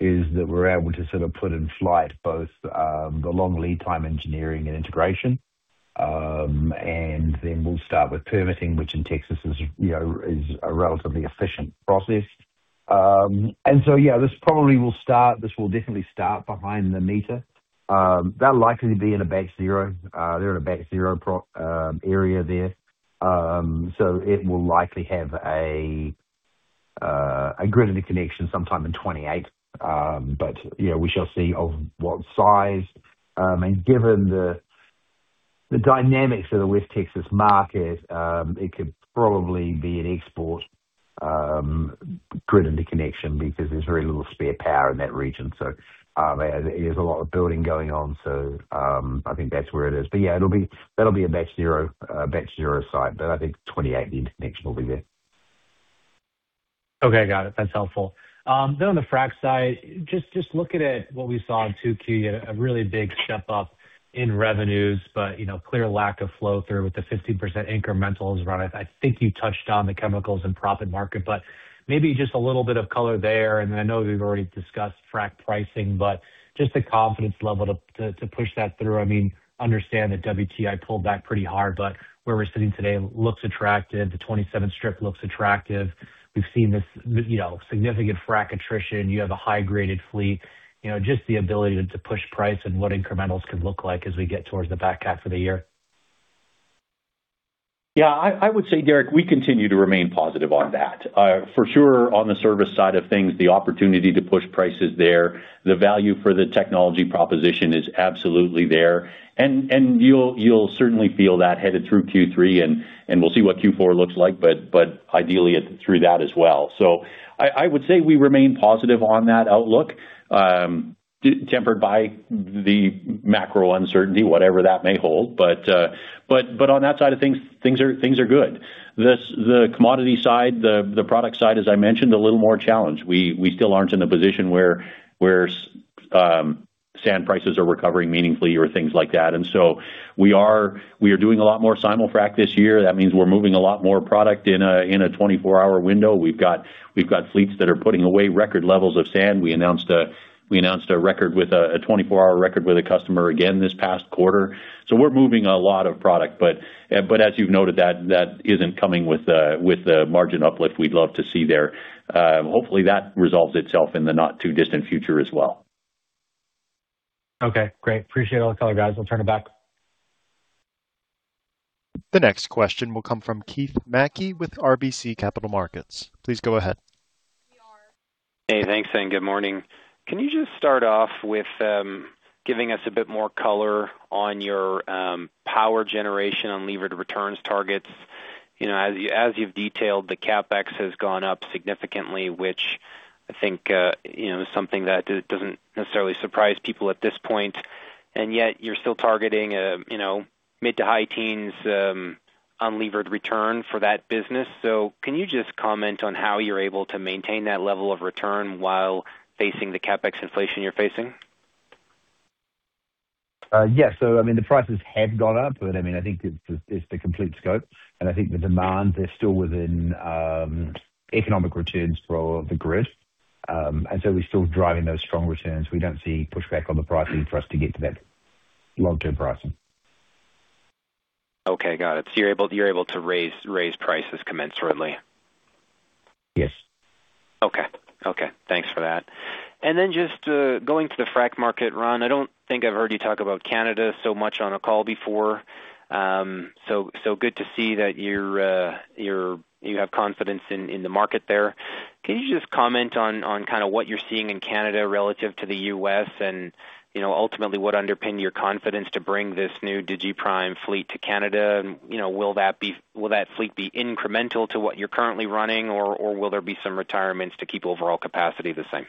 is that we're able to sort of put in flight both the long lead time engineering and integration. Then we'll start with permitting, which in Texas is a relatively efficient process. Yeah, this will definitely start behind the meter. They're likely to be in a Batch Zero. They're in a Batch Zero area there. It will likely have a grid interconnection sometime in 2028. Yeah, we shall see of what size. Given the dynamics of the West Texas market, it could probably be an export grid interconnection because there's very little spare power in that region. There's a lot of building going on. I think that's where it is. Yeah, that'll be a Batch Zero site, but I think 2028 the connection will be there. Okay, got it. That's helpful. On the frac side, just looking at what we saw in 2Q, a really big step up in revenues, but clear lack of flow-through with the 15% incrementals run. I think you touched on the chemicals and profit market, but maybe just a little bit of color there. Then I know we've already discussed frac pricing, but just the confidence level to push that through. I mean, understand that WTI pulled back pretty hard, but where we're sitting today looks attractive. The 2027 strip looks attractive. We've seen this significant frac attrition. You have a high-graded fleet, just the ability to push price and what incrementals could look like as we get towards the back half of the year. Yeah. I would say, Derek, we continue to remain positive on that. For sure on the service side of things, the opportunity to push price is there. The value for the technology proposition is absolutely there. You'll certainly feel that headed through Q3, and we'll see what Q4 looks like, but ideally through that as well. I would say we remain positive on that outlook, tempered by the macro uncertainty, whatever that may hold. On that side of things are good. The commodity side, the product side, as I mentioned, a little more challenged. We still aren't in a position where sand prices are recovering meaningfully or things like that. So we are doing a lot more simulfrac this year. That means we're moving a lot more product in a 24-hour window. We've got fleets that are putting away record levels of sand. We announced a 24-hour record with a customer again this past quarter. We're moving a lot of product, but as you've noted, that isn't coming with the margin uplift we'd love to see there. Hopefully, that resolves itself in the not-too-distant future as well. Okay, great. Appreciate all the color, guys. I'll turn it back. The next question will come from Keith Mackey with RBC Capital Markets. Please go ahead. Hey, thanks, good morning. Can you just start off with giving us a bit more color on your power generation on unlevered returns targets? As you've detailed, the CapEx has gone up significantly, which I think is something that doesn't necessarily surprise people at this point, yet you're still targeting a mid to high teens unlevered return for that business. Can you just comment on how you're able to maintain that level of return while facing the CapEx inflation you're facing? Yes. The prices have gone up, but I think it's the complete scope, and I think the demand is still within economic returns for the grid. We're still driving those strong returns. We don't see pushback on the pricing for us to get to that long-term pricing. Okay, got it. You're able to raise prices commensurately? Yes. Okay. Thanks for that. Then just going to the frac market, Ron, I don't think I've heard you talk about Canada so much on a call before. Good to see that you have confidence in the market there. Can you just comment on what you're seeing in Canada relative to the U.S., and ultimately what underpinned your confidence to bring this new digiPrime fleet to Canada, and will that fleet be incremental to what you're currently running, or will there be some retirements to keep overall capacity the same?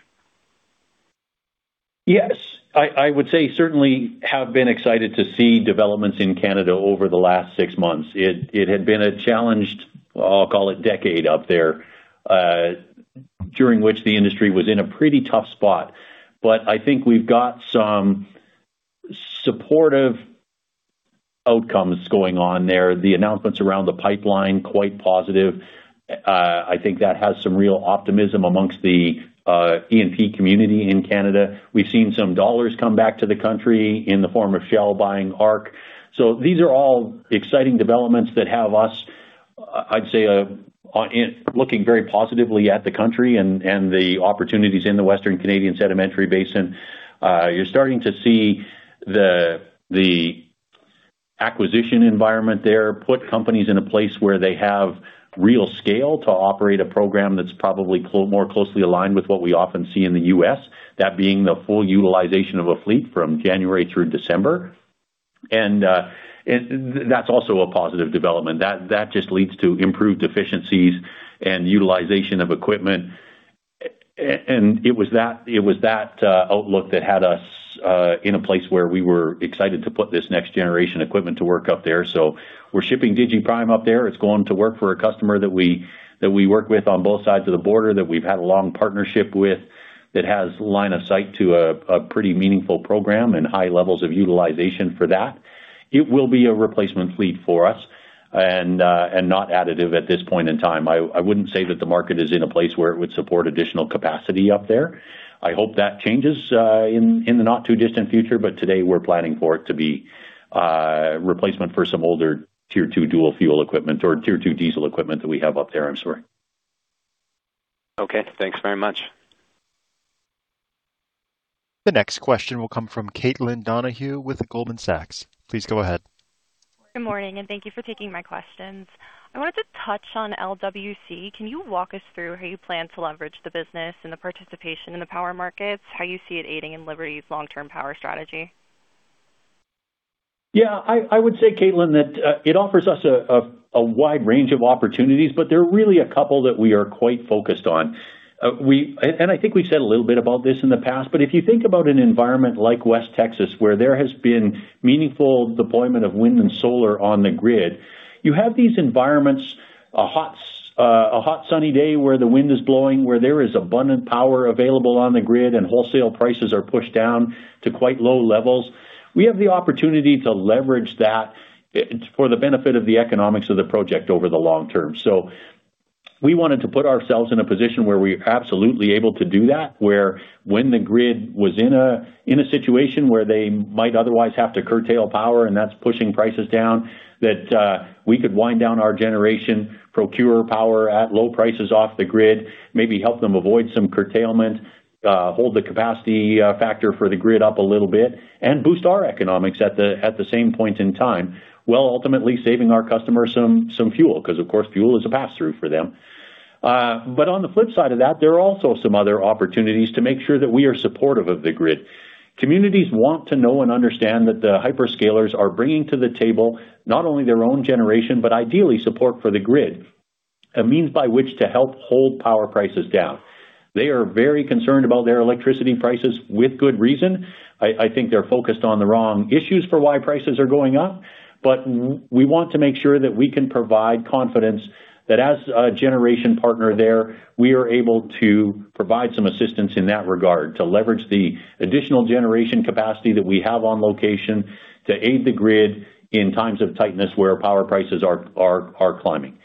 Yes. I would say certainly have been excited to see developments in Canada over the last six months. It had been a challenged, I'll call it decade up there, during which the industry was in a pretty tough spot. I think we've got some supportive outcomes going on there. The announcements around the pipeline, quite positive. I think that has some real optimism amongst the E&P community in Canada. We've seen some dollars come back to the country in the form of Shell buying ARC. These are all exciting developments that have us, I'd say, looking very positively at the country and the opportunities in the Western Canadian Sedimentary Basin. You're starting to see the acquisition environment there put companies in a place where they have real scale to operate a program that's probably more closely aligned with what we often see in the U.S., that being the full utilization of a fleet from January through December. That's also a positive development. That just leads to improved efficiencies and utilization of equipment. It was that outlook that had us in a place where we were excited to put this next-generation equipment to work up there. We're shipping digiPrime up there. It's going to work for a customer that we work with on both sides of the border, that we've had a long partnership with, that has line of sight to a pretty meaningful program and high levels of utilization for that. It will be a replacement fleet for us and not additive at this point in time. I wouldn't say that the market is in a place where it would support additional capacity up there. I hope that changes in the not-too-distant future, but today we're planning for it to be replacement for some older Tier 2 dual-fuel equipment or Tier 2 diesel equipment that we have up there, I'm sorry. Okay, thanks very much. The next question will come from Caitlin Donohue with Goldman Sachs. Please go ahead. Good morning, thank you for taking my questions. I wanted to touch on LWC. Can you walk us through how you plan to leverage the business and the participation in the power markets, how you see it aiding in Liberty's long-term power strategy? Yeah. I would say, Caitlin, that it offers us a wide range of opportunities, there are really a couple that we are quite focused on. I think we've said a little bit about this in the past, if you think about an environment like West Texas, where there has been meaningful deployment of wind and solar on the grid, you have these environments, a hot sunny day where the wind is blowing, where there is abundant power available on the grid and wholesale prices are pushed down to quite low levels. We have the opportunity to leverage that for the benefit of the economics of the project over the long term. We wanted to put ourselves in a position where we are absolutely able to do that, where when the grid was in a situation where they might otherwise have to curtail power and that's pushing prices down, that we could wind down our generation, procure power at low prices off the grid, maybe help them avoid some curtailment, hold the capacity factor for the grid up a little bit, and boost our economics at the same point in time, while ultimately saving our customers some fuel, because, of course, fuel is a pass-through for them. On the flip side of that, there are also some other opportunities to make sure that we are supportive of the grid. Communities want to know and understand that the hyperscalers are bringing to the table not only their own generation, but ideally support for the grid, a means by which to help hold power prices down. They are very concerned about their electricity prices with good reason. I think they're focused on the wrong issues for why prices are going up. We want to make sure that we can provide confidence that as a generation partner there, we are able to provide assistance in that regard. To leverage the addition generation capacity that we have on location, to aid the grid in time of tighness where power prices are climbing.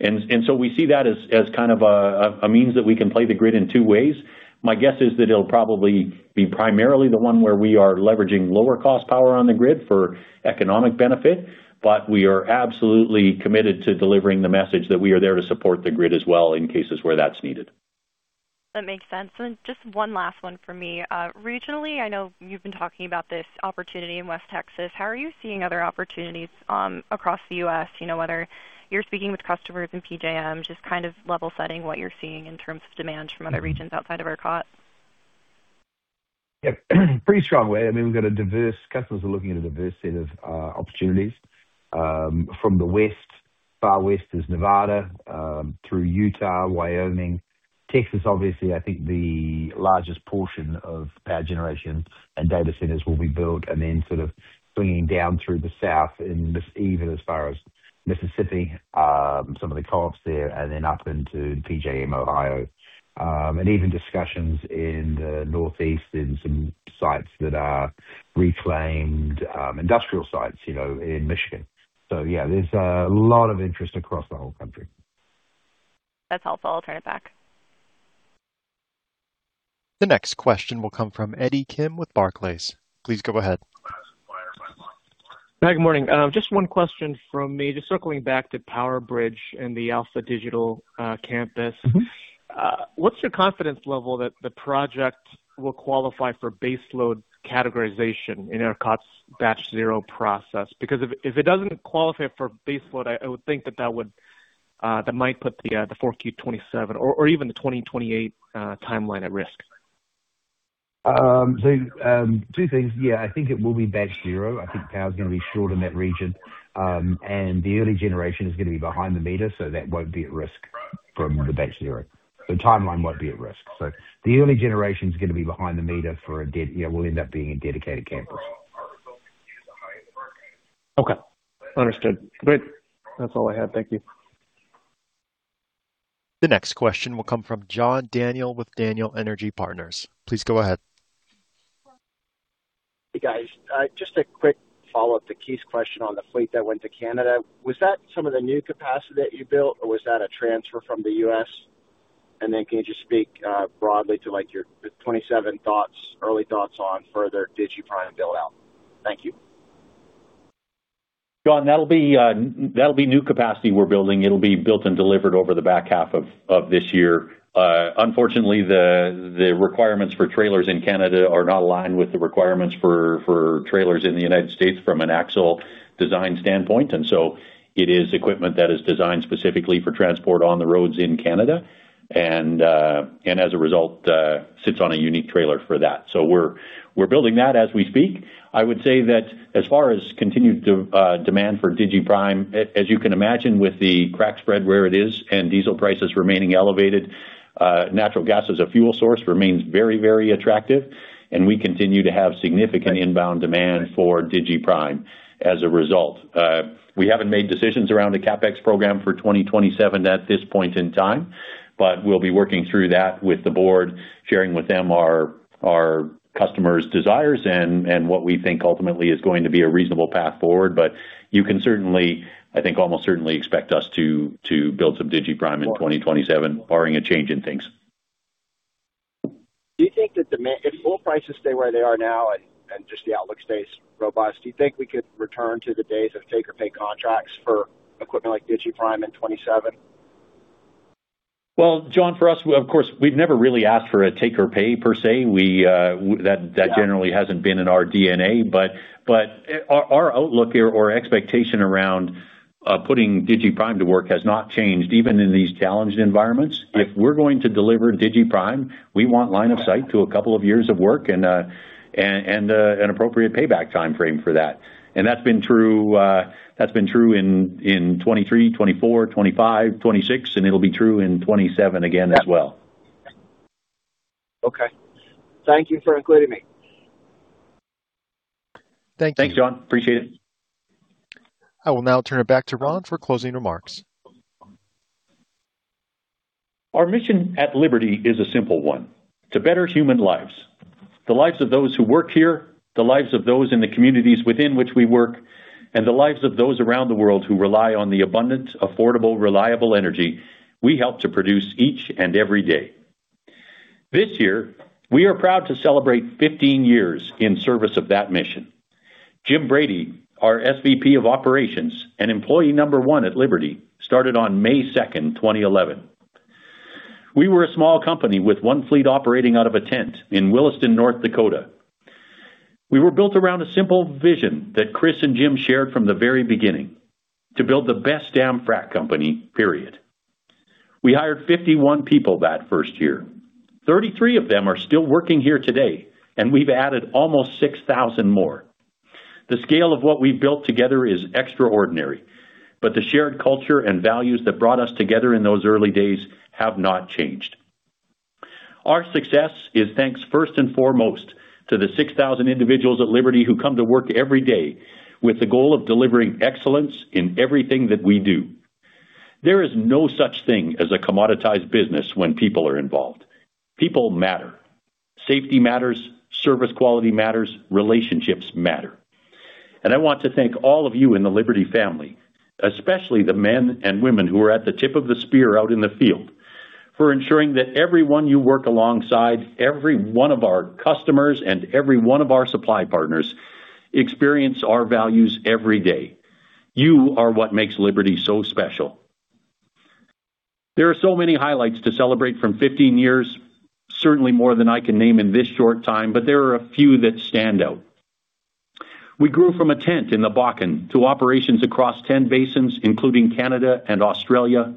We see that as kind of a means that we can play the grid in two ways. My guess is that it'll probably be primarily the one where we are leveraging lower cost power on the grid for economic benefit. We are absolutely committed to delivering the message that we are there to support the grid as well in cases where that's needed. That makes sense. Just one last one for me. Regionally, I know you've been talking about this opportunity in West Texas. How are you seeing other opportunities across the U.S.? Whether you're speaking with customers in PJM, just kind of level setting what you're seeing in terms of demand from other regions outside of ERCOT? Yeah. Pretty strong way. I mean, customers are looking at a diverse set of opportunities. From the west, far west is Nevada, through Utah, Wyoming. Texas, obviously, I think the largest portion of power generation and data centers will be built, then sort of swinging down through the South and even as far as Mississippi, some of the co-ops there, and then up into PJM, Ohio. Even discussions in the Northeast in some sites that are reclaimed, industrial sites in Michigan. Yeah, there's a lot of interest across the whole country. That's helpful. I'll turn it back. The next question will come from Eddie Kim with Barclays. Please go ahead. Good morning. Just one question from me. Just circling back to PowerBridge and the Alpha Digital Campus. What's your confidence level that the project will qualify for base load categorization in ERCOT's Batch Zero process? If it doesn't qualify for base load, I would think that that might put the Q4 2027 or even the 2028 timeline at risk. Two things. Yeah, I think it will be Batch Zero. I think power is going to be short in that region. The early generation is going to be behind the meter, so that won't be at risk from the Batch Zero. The timeline won't be at risk. The early generation's going to be behind the meter, yeah, will end up being a dedicated campus. Okay. Understood. Great. That's all I had. Thank you. The next question will come from John Daniel with Daniel Energy Partners. Please go ahead. Hey, guys. Just a quick follow-up to Keith's question on the fleet that went to Canada. Was that some of the new capacity that you built, or was that a transfer from the U.S.? Then can you just speak broadly to your 2027 thoughts, early thoughts on further digiPrime build out? Thank you. John, that'll be new capacity we're building. It'll be built and delivered over the back half of this year. Unfortunately, the requirements for trailers in Canada are not aligned with the requirements for trailers in the U.S. from an axle design standpoint. It is equipment that is designed specifically for transport on the roads in Canada, and as a result, sits on a unique trailer for that. We're building that as we speak. I would say that as far as continued demand for digiPrime, as you can imagine with the crack spread where it is and diesel prices remaining elevated, natural gas as a fuel source remains very attractive, and we continue to have significant inbound demand for digiPrime as a result. We haven't made decisions around a CapEx program for 2027 at this point in time, we'll be working through that with the board, sharing with them our customers' desires and what we think ultimately is going to be a reasonable path forward. You can certainly, I think almost certainly expect us to build some digiPrime in 2027, barring a change in things. Do you think that demand if oil prices stay where they are now and just the outlook stays robust, do you think we could return to the days of take or pay contracts for equipment like digiPrime in 2027? Well, John, for us, of course, we've never really asked for a take or pay per se. That generally hasn't been in our DNA, our outlook here or expectation around putting digiPrime to work has not changed, even in these challenged environments. Right. If we're going to deliver digiPrime, we want line of sight to a couple of years of work and an appropriate payback timeframe for that. That's been true in 2023, 2024, 2025, 2026, and it'll be true in 2027 again as well. Okay. Thank you for including me. Thank you. Thanks, John. Appreciate it. I will now turn it back to Ron for closing remarks. Our mission at Liberty is a simple one: to better human lives, the lives of those who work here, the lives of those in the communities within which we work, and the lives of those around the world who rely on the abundant, affordable, reliable energy we help to produce each and every day. This year, we are proud to celebrate 15 years in service of that mission. Jim Brady, our SVP of Operations and employee number one at Liberty, started on May 2nd, 2011. We were a small company with one fleet operating out of a tent in Williston, North Dakota. We were built around a simple vision that Chris and Jim shared from the very beginning: to build the best damn frac company, period. We hired 51 people that first year. 33 of them are still working here today, and we've added almost 6,000 more. The scale of what we've built together is extraordinary, the shared culture and values that brought us together in those early days have not changed. Our success is thanks first and foremost to the 6,000 individuals at Liberty who come to work every day with the goal of delivering excellence in everything that we do. There is no such thing as a commoditized business when people are involved. People matter. Safety matters. Service quality matters. Relationships matter. I want to thank all of you in the Liberty family, especially the men and women who are at the tip of the spear out in the field, for ensuring that everyone you work alongside, every one of our customers, and every one of our supply partners experience our values every day. You are what makes Liberty so special. There are so many highlights to celebrate from 15 years, certainly more than I can name in this short time, there are a few that stand out. We grew from a tent in the Bakken to operations across 10 basins, including Canada and Australia.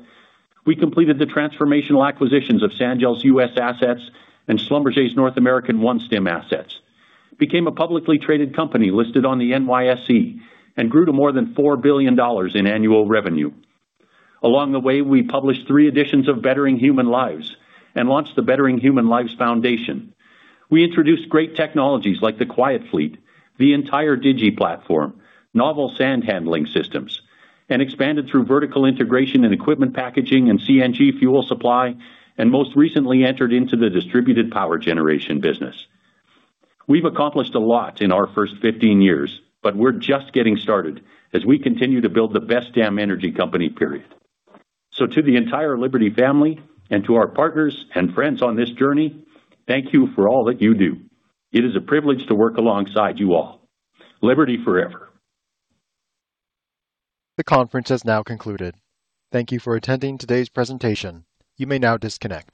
We completed the transformational acquisitions of Sanjel Corporation's U.S. assets and Schlumberger's North American OneStim assets, became a publicly traded company listed on the NYSE, and grew to more than $4 billion in annual revenue. Along the way, we published three editions of Bettering Human Lives and launched the Bettering Human Lives Foundation. We introduced great technologies like the Quiet Fleet, the entire digi platform, novel sand handling systems, and expanded through vertical integration and equipment packaging and CNG fuel supply, and most recently entered into the distributed power generation business. We've accomplished a lot in our first 15 years, but we're just getting started as we continue to build the best damn energy company, period. To the entire Liberty family and to our partners and friends on this journey, thank you for all that you do. It is a privilege to work alongside you all. Liberty forever. The conference has now concluded. Thank you for attending today's presentation. You may now disconnect.